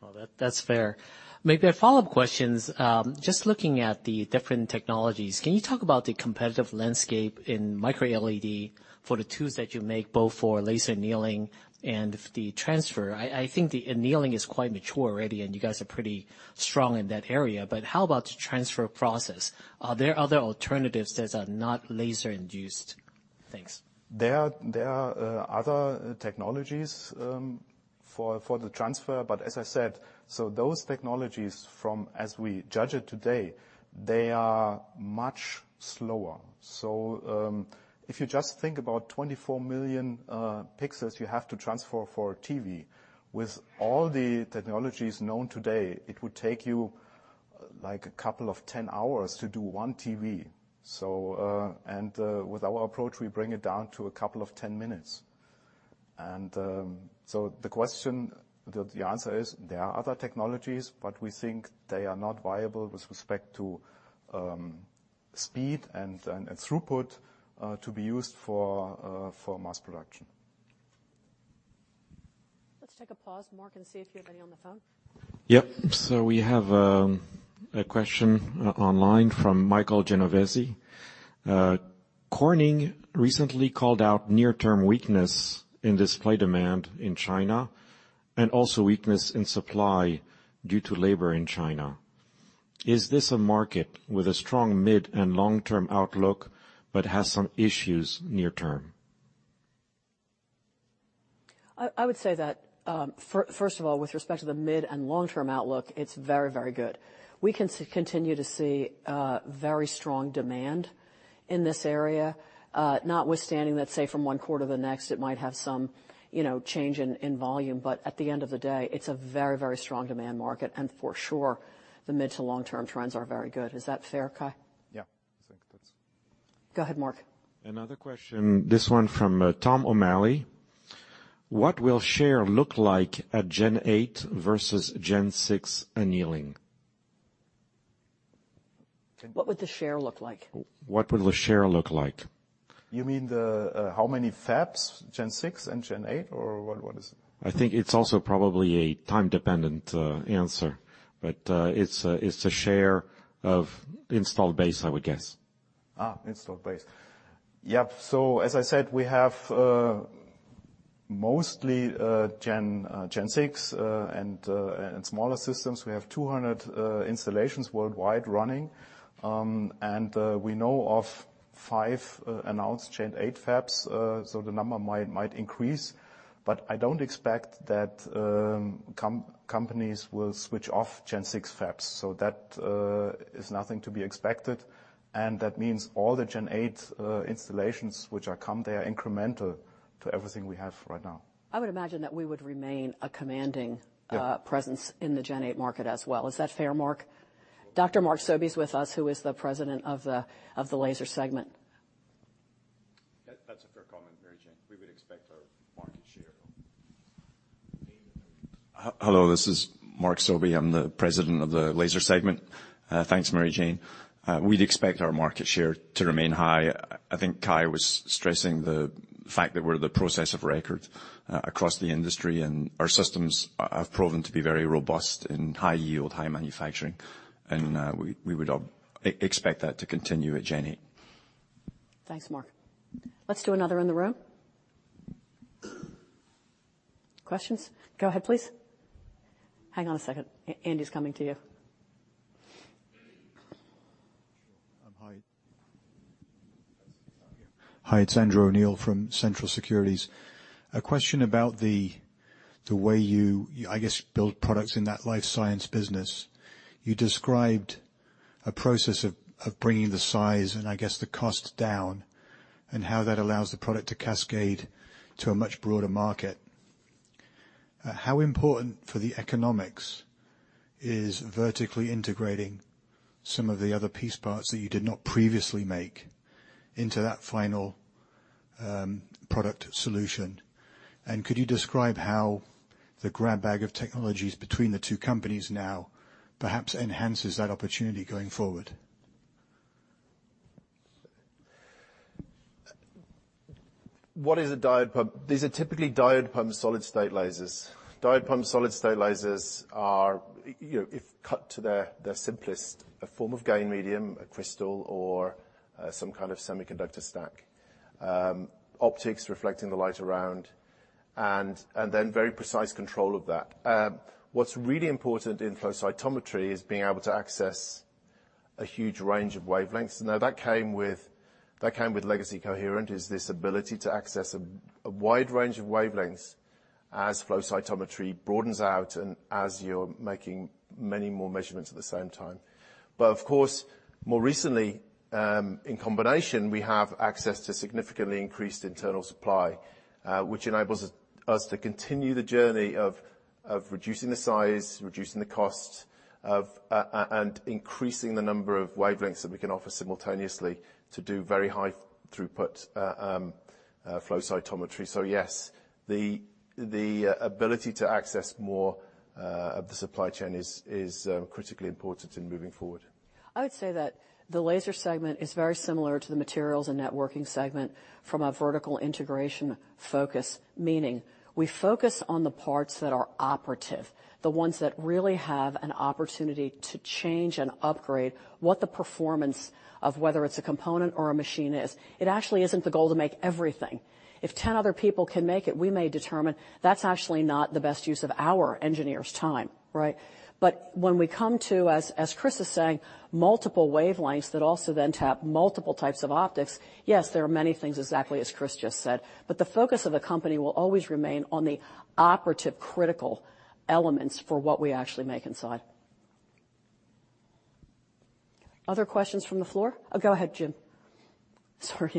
Well, that's fair. Maybe a follow-up questions. Just looking at the different technologies, can you talk about the competitive landscape in MicroLED for the tools that you make, both for laser annealing and the transfer? I think the annealing is quite mature already, and you guys are pretty strong in that area, but how about the transfer process? Are there other alternatives that are not laser induced? Thanks.
There are other technologies for the transfer, but as I said, those technologies from, as we judge it today, they are much slower. If you just think about 24 million pixels you have to transfer for TV, with all the technologies known today, it would take you, like, a couple of 10 hours to do one TV. With our approach, we bring it down to a couple of 10 minutes. The question. The answer is there are other technologies, but we think they are not viable with respect to speed and throughput to be used for mass production.
Let's take a pause, Mark, and see if you have any on the phone.
Yep. We have a question online from Michael Genovese. Corning recently called out near-term weakness in display demand in China and also weakness in supply due to labor in China. Is this a market with a strong mid and long-term outlook but has some issues near-term?
I would say that, first of all, with respect to the mid and long-term outlook, it's very, very good. We can continue to see very strong demand in this area, notwithstanding that, say, from 1 quarter to the next, it might have some, you know, change in volume, but at the end of the day, it's a very, very strong demand market, and for sure, the mid to long-term trends are very good. Is that fair, Kai?
Yeah. I think that's.
Go ahead, Mark.
Another question, this one from, Thomas O'Malley. What will share look like at Gen 8 versus Gen 6 annealing?
What would the share look like?
What will the share look like?
You mean the how many fabs, Gen 6 and Gen 8? Or what is it?
I think it's also probably a time-dependent answer. It's a share of installed base, I would guess.
Installed base. Yep. As I said, we have mostly Gen6 and smaller systems. We have 200 installations worldwide running, and we know of five announced Gen8 fabs, so the number might increase. I don't expect that companies will switch off Gen6 fabs, so that is nothing to be expected, and that means all the Gen8 installations which are come, they are incremental to everything we have right now.
I would imagine that we would remain a commanding-
Yeah.
presence in the Gen 8 market as well. Is that fair, Mark? Dr. Mark Sobey is with us, who is the President of the Lasers Segment.
That's a fair comment, Mary Jane. We would expect our market share to remain. Hello, this is Mark Sobey. I'm the president of the laser segment. Thanks, Mary Jane. We'd expect our market share to remain high. I think Kai was stressing the fact that we're the process of record across the industry, and our systems have proven to be very robust in high yield, high manufacturing, and we would expect that to continue at Gen8.
Thanks, Mark. Let's do another in the room. Questions? Go ahead, please. Hang on a second. Andy's coming to you.
Hi. Hi, it's Andrew O'Neill from Central Securities. A question about the way you, I guess, build products in that life science business. You described a process of bringing the size and I guess the cost down, and how that allows the product to cascade to a much broader market. How important for the economics is vertically integrating some of the other piece parts that you did not previously make into that final product solution? Could you describe how the grab bag of technologies between the two companies now perhaps enhances that opportunity going forward?
What is a diode-pumped? These are typically diode-pumped solid-state lasers. Diode-pumped solid-state lasers are, you know, if cut to their simplest, a form of gain medium, a crystal or some kind of semiconductor stack. Optics reflecting the light around and then very precise control of that. What's really important in flow cytometry is being able to access a huge range of wavelengths. Now that came with Legacy Coherent, is this ability to access a wide range of wavelengths as flow cytometry broadens out and as you're making many more measurements at the same time. Of course, more recently, in combination, we have access to significantly increased internal supply, which enables us to continue the journey of reducing the size, reducing the cost of, and increasing the number of wavelengths that we can offer simultaneously to do very high throughput flow cytometry. Yes, the ability to access more of the supply chain is critically important in moving forward.
I would say that the laser segment is very similar to the materials and networking segment from a vertical integration focus, meaning we focus on the parts that are operative, the ones that really have an opportunity to change and upgrade what the performance of whether it's a component or a machine is. It actually isn't the goal to make everything. If 10 other people can make it, we may determine that's actually not the best use of our engineers' time, right? When we come to, as Chris is saying, multiple wavelengths that also then tap multiple types of optics, yes, there are many things exactly as Chris just said. The focus of the company will always remain on the operative critical elements for what we actually make inside. Other questions from the floor? Go ahead, James. Sorry,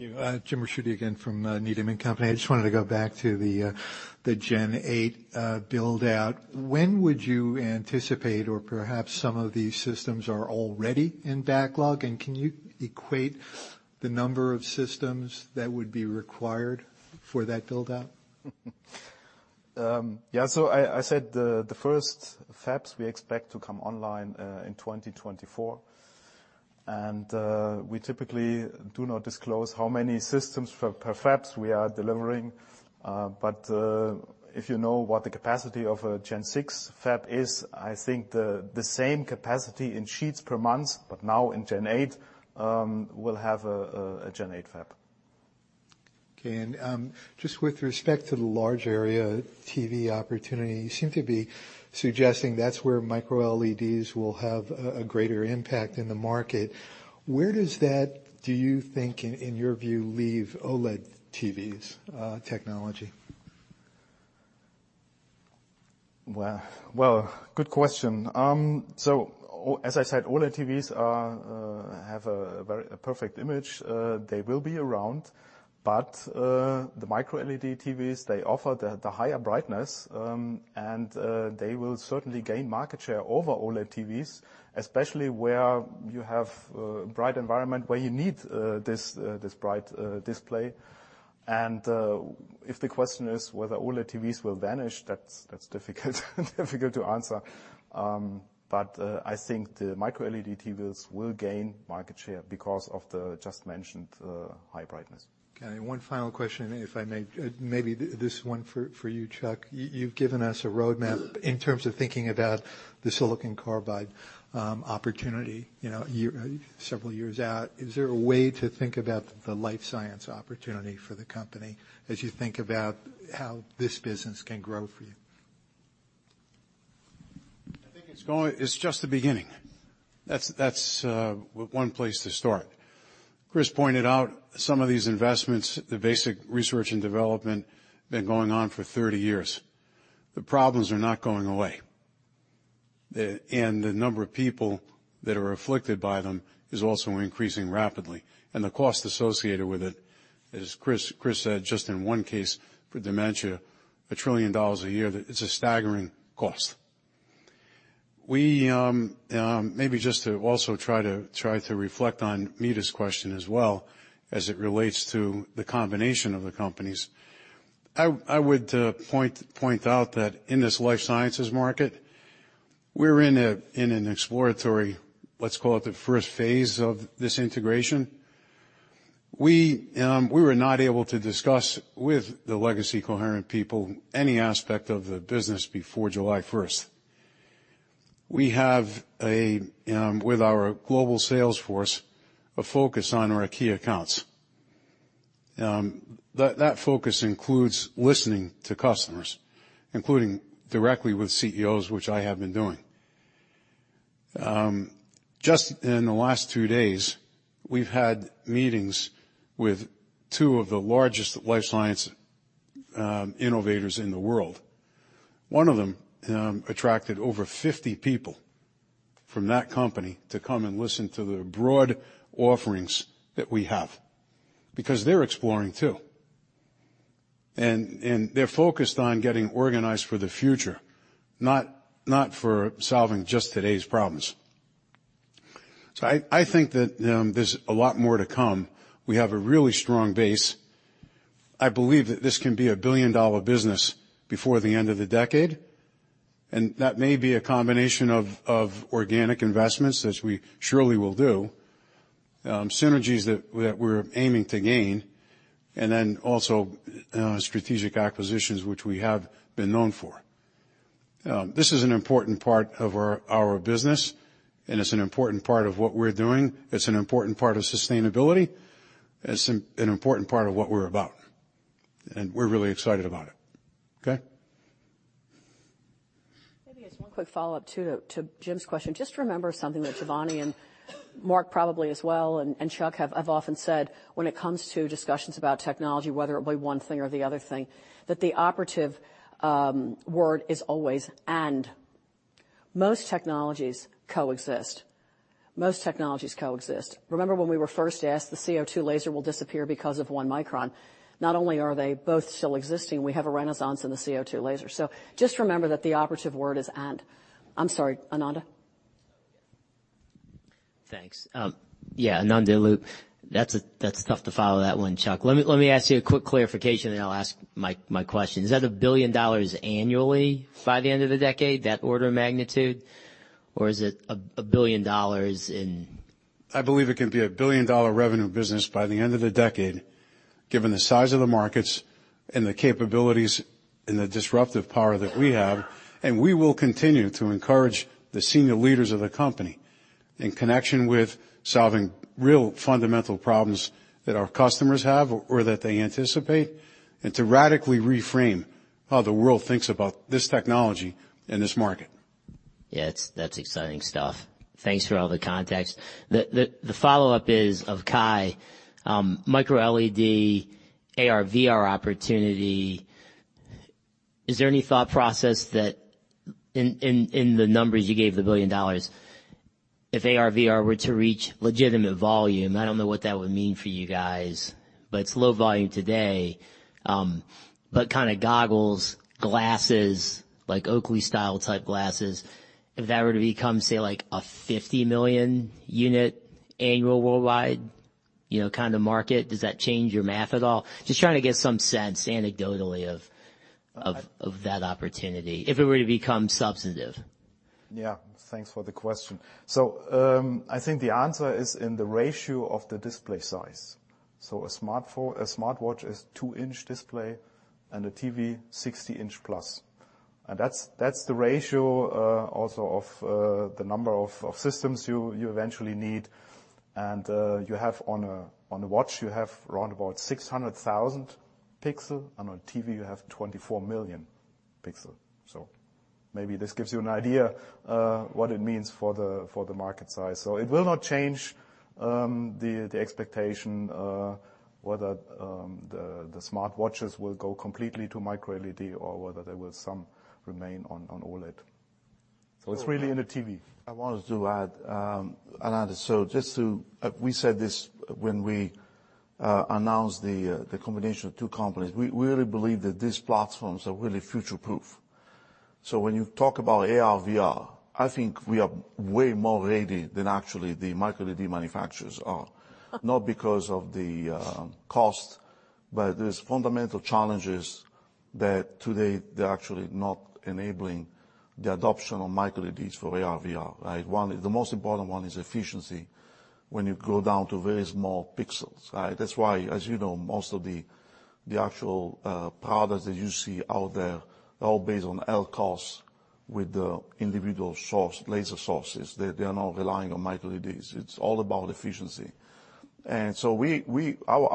Andrew.
Thank you. James Ricchiuti again from Needham & Company. I just wanted to go back to the Gen 8 build-out. When would you anticipate or perhaps some of these systems are already in backlog, and can you equate the number of systems that would be required for that build-out?
Yeah. I said the first fabs we expect to come online in 2024. We typically do not disclose how many systems per fabs we are delivering. But if you know what the capacity of a Gen6 fab is, I think the same capacity in sheets per month, but now in Gen8, will have a Gen8 fab.
Okay. Just with respect to the large area TV opportunity, you seem to be suggesting that's where MicroLEDs will have a greater impact in the market. Where does that do you think in your view, leave OLED TVs, technology?
Well, good question. As I said, OLED TVs are, have a very, a perfect image. They will be around. The MicroLED TVs, they offer the higher brightness, and they will certainly gain market share over OLED TVs, especially where you have a bright environment where you need this bright display. If the question is whether OLED TVs will vanish, that's difficult to answer. I think the MicroLED TVs will gain market share because of the just mentioned high brightness.
Okay, one final question, if I may. Maybe this one for you, Chuck. You've given us a roadmap in terms of thinking about the silicon carbide opportunity, you know, several years out. Is there a way to think about the life science opportunity for the company as you think about how this business can grow for you?
I think it's just the beginning. That's one place to start. Chris pointed out some of these investments, the basic research and development, been going on for 30 years. The problems are not going away. The number of people that are afflicted by them is also increasing rapidly, and the cost associated with it, as Chris said, just in one case for dementia, $1 trillion a year. It's a staggering cost. We maybe just to also try to, try to reflect on Meta's question as well as it relates to the combination of the companies. I would point out that in this life sciences market, we're in an exploratory, let's call it the first phase of this integration. We, we were not able to discuss with the Legacy Coherent people any aspect of the business before July first. We have a, with our global sales force, a focus on our key accounts. That, that focus includes listening to customers, including directly with CEOs, which I have been doing. Just in the last 2 days, we've had meetings with 2 of the largest life science innovators in the world. One of them, attracted over 50 people from that company to come and listen to the broad offerings that we have because they're exploring too. They're focused on getting organized for the future, not for solving just today's problems. I think that, there's a lot more to come. We have a really strong base. I believe that this can be a billion-dollar business before the end of the decade, and that may be a combination of organic investments, as we surely will do, synergies that we're aiming to gain, and then also, strategic acquisitions, which we have been known for. This is an important part of our business, and it's an important part of what we're doing. It's an important part of sustainability. It's an important part of what we're about, and we're really excited about it. Okay?
Maybe just one quick follow-up too to James question. Just remember something that Giovanni and Mark probably as well and Chuck have often said when it comes to discussions about technology, whether it be one thing or the other thing, that the operative word is always and. Most technologies coexist. Most technologies coexist. Remember when we were first asked, the CO2 laser will disappear because of one micron? Not only are they both still existing, we have a renaissance in the CO2 laser. Just remember that the operative word is and. I'm sorry, Ananda.
Thanks. Yeah, Ananda Lu. That's tough to follow that one, Chuck. Let me ask you a quick clarification, and then I'll ask my question. Is that $1 billion annually by the end of the decade, that order of magnitude, or is it $1 billion?
I believe it can be a billion-dollar revenue business by the end of the decade, given the size of the markets and the capabilities and the disruptive power that we have. We will continue to encourage the senior leaders of the company in connection with solving real fundamental problems that our customers have or that they anticipate, and to radically reframe how the world thinks about this technology and this market.
Yeah, that's exciting stuff. Thanks for all the context. The follow-up is of Kai. MicroLED, AR/VR opportunity, is there any thought process that in the numbers you gave, the $1 billion, if AR/VR were to reach legitimate volume, I don't know what that would mean for you guys, but it's low volume today. But kind of goggles, glasses, like Oakley style type glasses. If that were to become, say, like a 50 million unit annual worldwide, you know, kind of market, does that change your math at all? Just trying to get some sense anecdotally of that opportunity if it were to become substantive.
Yeah. Thanks for the question. I think the answer is in the ratio of the display size. A smartwatch is 2-inch display and a TV, 60 inch plus. That's the ratio also of the number of systems you eventually need. You have on a watch, you have around about 600,000 pixel. On TV you have 24 million pixel. Maybe this gives you an idea what it means for the market size. It will not change the expectation whether the smartwatches will go completely to MicroLED or whether there will some remain on OLED. It's really in the TV. I wanted to add, Ananda. We said this when we announced the combination of two companies. We really believe that these platforms are really future proof.
When you talk about AR/VR, I think we are way more ready than actually the MicroLED manufacturers are. Not because of the cost, but there's fundamental challenges that today they're actually not enabling the adoption of MicroLEDs for AR/VR, right? The most important one is efficiency when you go down to very small pixels, right? That's why, as you know, most of the actual products that you see out there are all based on LCoS with the individual source, laser sources. They are not relying on MicroLEDs. It's all about efficiency. We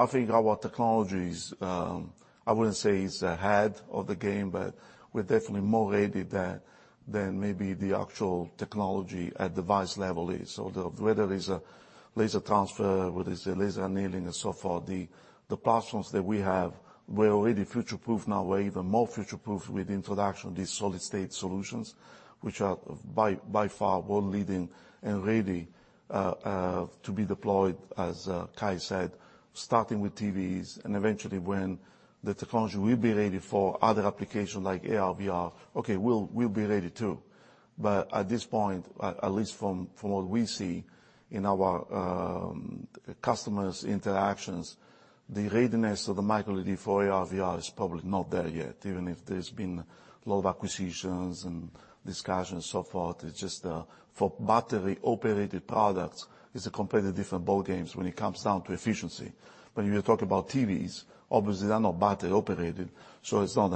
think our technology is, I wouldn't say it's ahead of the game, but we're definitely more ready than maybe the actual technology at device level is. Whether it's a laser transfer, whether it's a laser annealing and so forth, the platforms that we have, we're already future proof now. We're even more future proof with the introduction of these solid-state solutions, which are by far world-leading and ready to be deployed, as Kai said, starting with TVs. Eventually, when the technology will be ready for other applications like AR/VR, okay, we'll be ready too. At this point, at least from what we see in our customers' interactions, the readiness of the MicroLED for AR/VR is probably not there yet, even if there's been a lot of acquisitions and discussions, so forth. It's just for battery-operated products, it's a completely different ballgame when it comes down to efficiency. When you talk about TVs, obviously they're not battery operated, it's not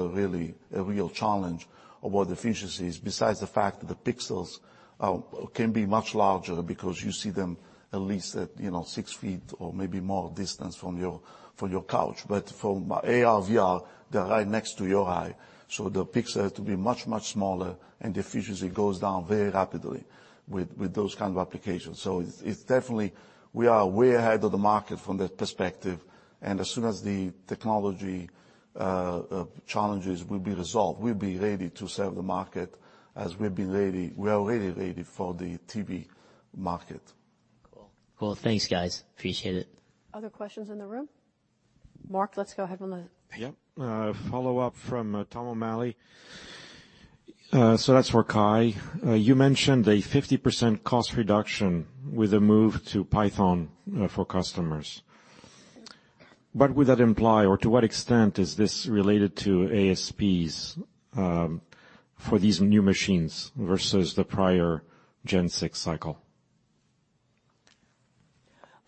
a really a real challenge about efficiencies besides the fact that the pixels can be much larger because you see them at least at, you know, six feet or maybe more distance from your, from your couch. For AR/VR, they're right next to your eye, so the pixels have to be much smaller, and the efficiency goes down very rapidly with those kind of applications. It's definitely we are way ahead of the market from that perspective. As soon as the technology challenges will be resolved, we'll be ready to serve the market as we've been ready we are already ready for the TV market.
Cool. Cool. Thanks, guys. Appreciate it.
Other questions in the room? Mark, let's go ahead.
Yeah. Follow-up from Thomas O'Malley. That's for Kai. You mentioned a 50% cost reduction with a move to Python, for customers. What would that imply or to what extent is this related to ASPs, for these new machines versus the prior Gen 6 cycle?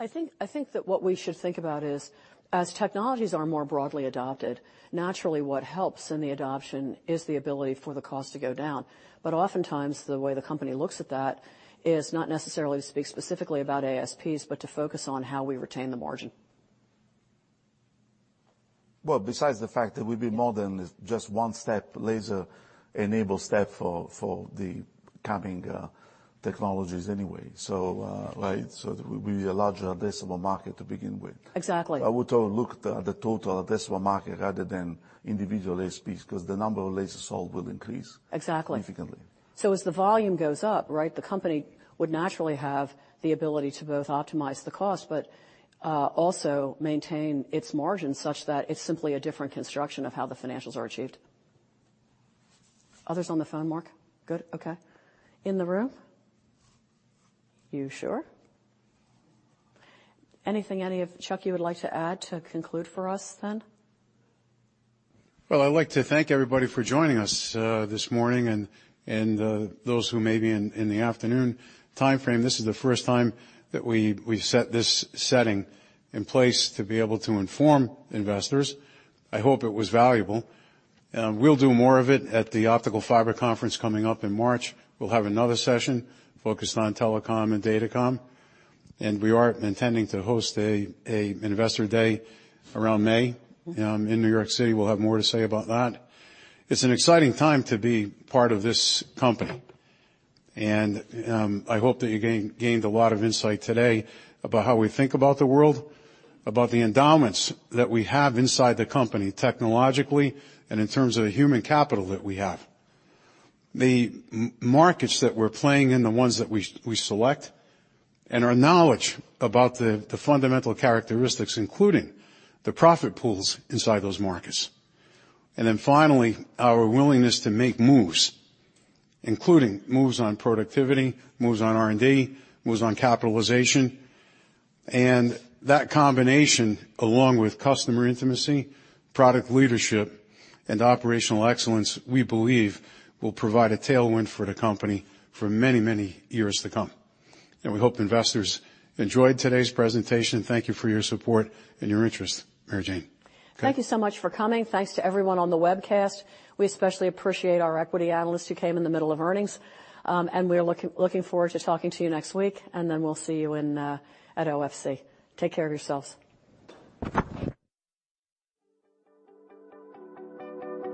I think that what we should think about is, as technologies are more broadly adopted, naturally what helps in the adoption is the ability for the cost to go down. Oftentimes, the way the company looks at that is not necessarily to speak specifically about ASPs, but to focus on how we retain the margin.
Well, besides the fact that we've been more than just one step, laser-enabled step for the coming technologies anyway, so, right? We're a larger addressable market to begin with.
Exactly.
I would look at the total addressable market rather than individual ASPs, 'cause the number of lasers sold will increase.
Exactly
significantly.
As the volume goes up, right, the company would naturally have the ability to both optimize the cost, but also maintain its margins such that it's simply a different construction of how the financials are achieved. Others on the phone, Mark? Good. Okay. In the room? You sure? Anything any of Chuck, you would like to add to conclude for us then?
Well, I'd like to thank everybody for joining us this morning and those who may be in the afternoon timeframe. This is the first time that we set this setting in place to be able to inform investors. I hope it was valuable. We'll do more of it at the Optical Fiber Conference coming up in March. We'll have another session focused on telecom and datacom, and we are intending to host a investor day around May in New York City. We'll have more to say about that. It's an exciting time to be part of this company, and I hope that you gained a lot of insight today about how we think about the world, about the endowments that we have inside the company technologically and in terms of the human capital that we have. The markets that we're playing in, the ones that we select, and our knowledge about the fundamental characteristics, including the profit pools inside those markets. Then finally, our willingness to make moves, including moves on productivity, moves on R&D, moves on capitalization. That combination, along with customer intimacy, product leadership, and operational excellence, we believe will provide a tailwind for the company for many, many years to come. We hope investors enjoyed today's presentation. Thank you for your support and your interest. Mary Jane. Kai.
Thank you so much for coming. Thanks to everyone on the webcast. We especially appreciate our equity analysts who came in the middle of earnings. We're looking forward to talking to you next week. We'll see you in at OFC. Take care of yourselves.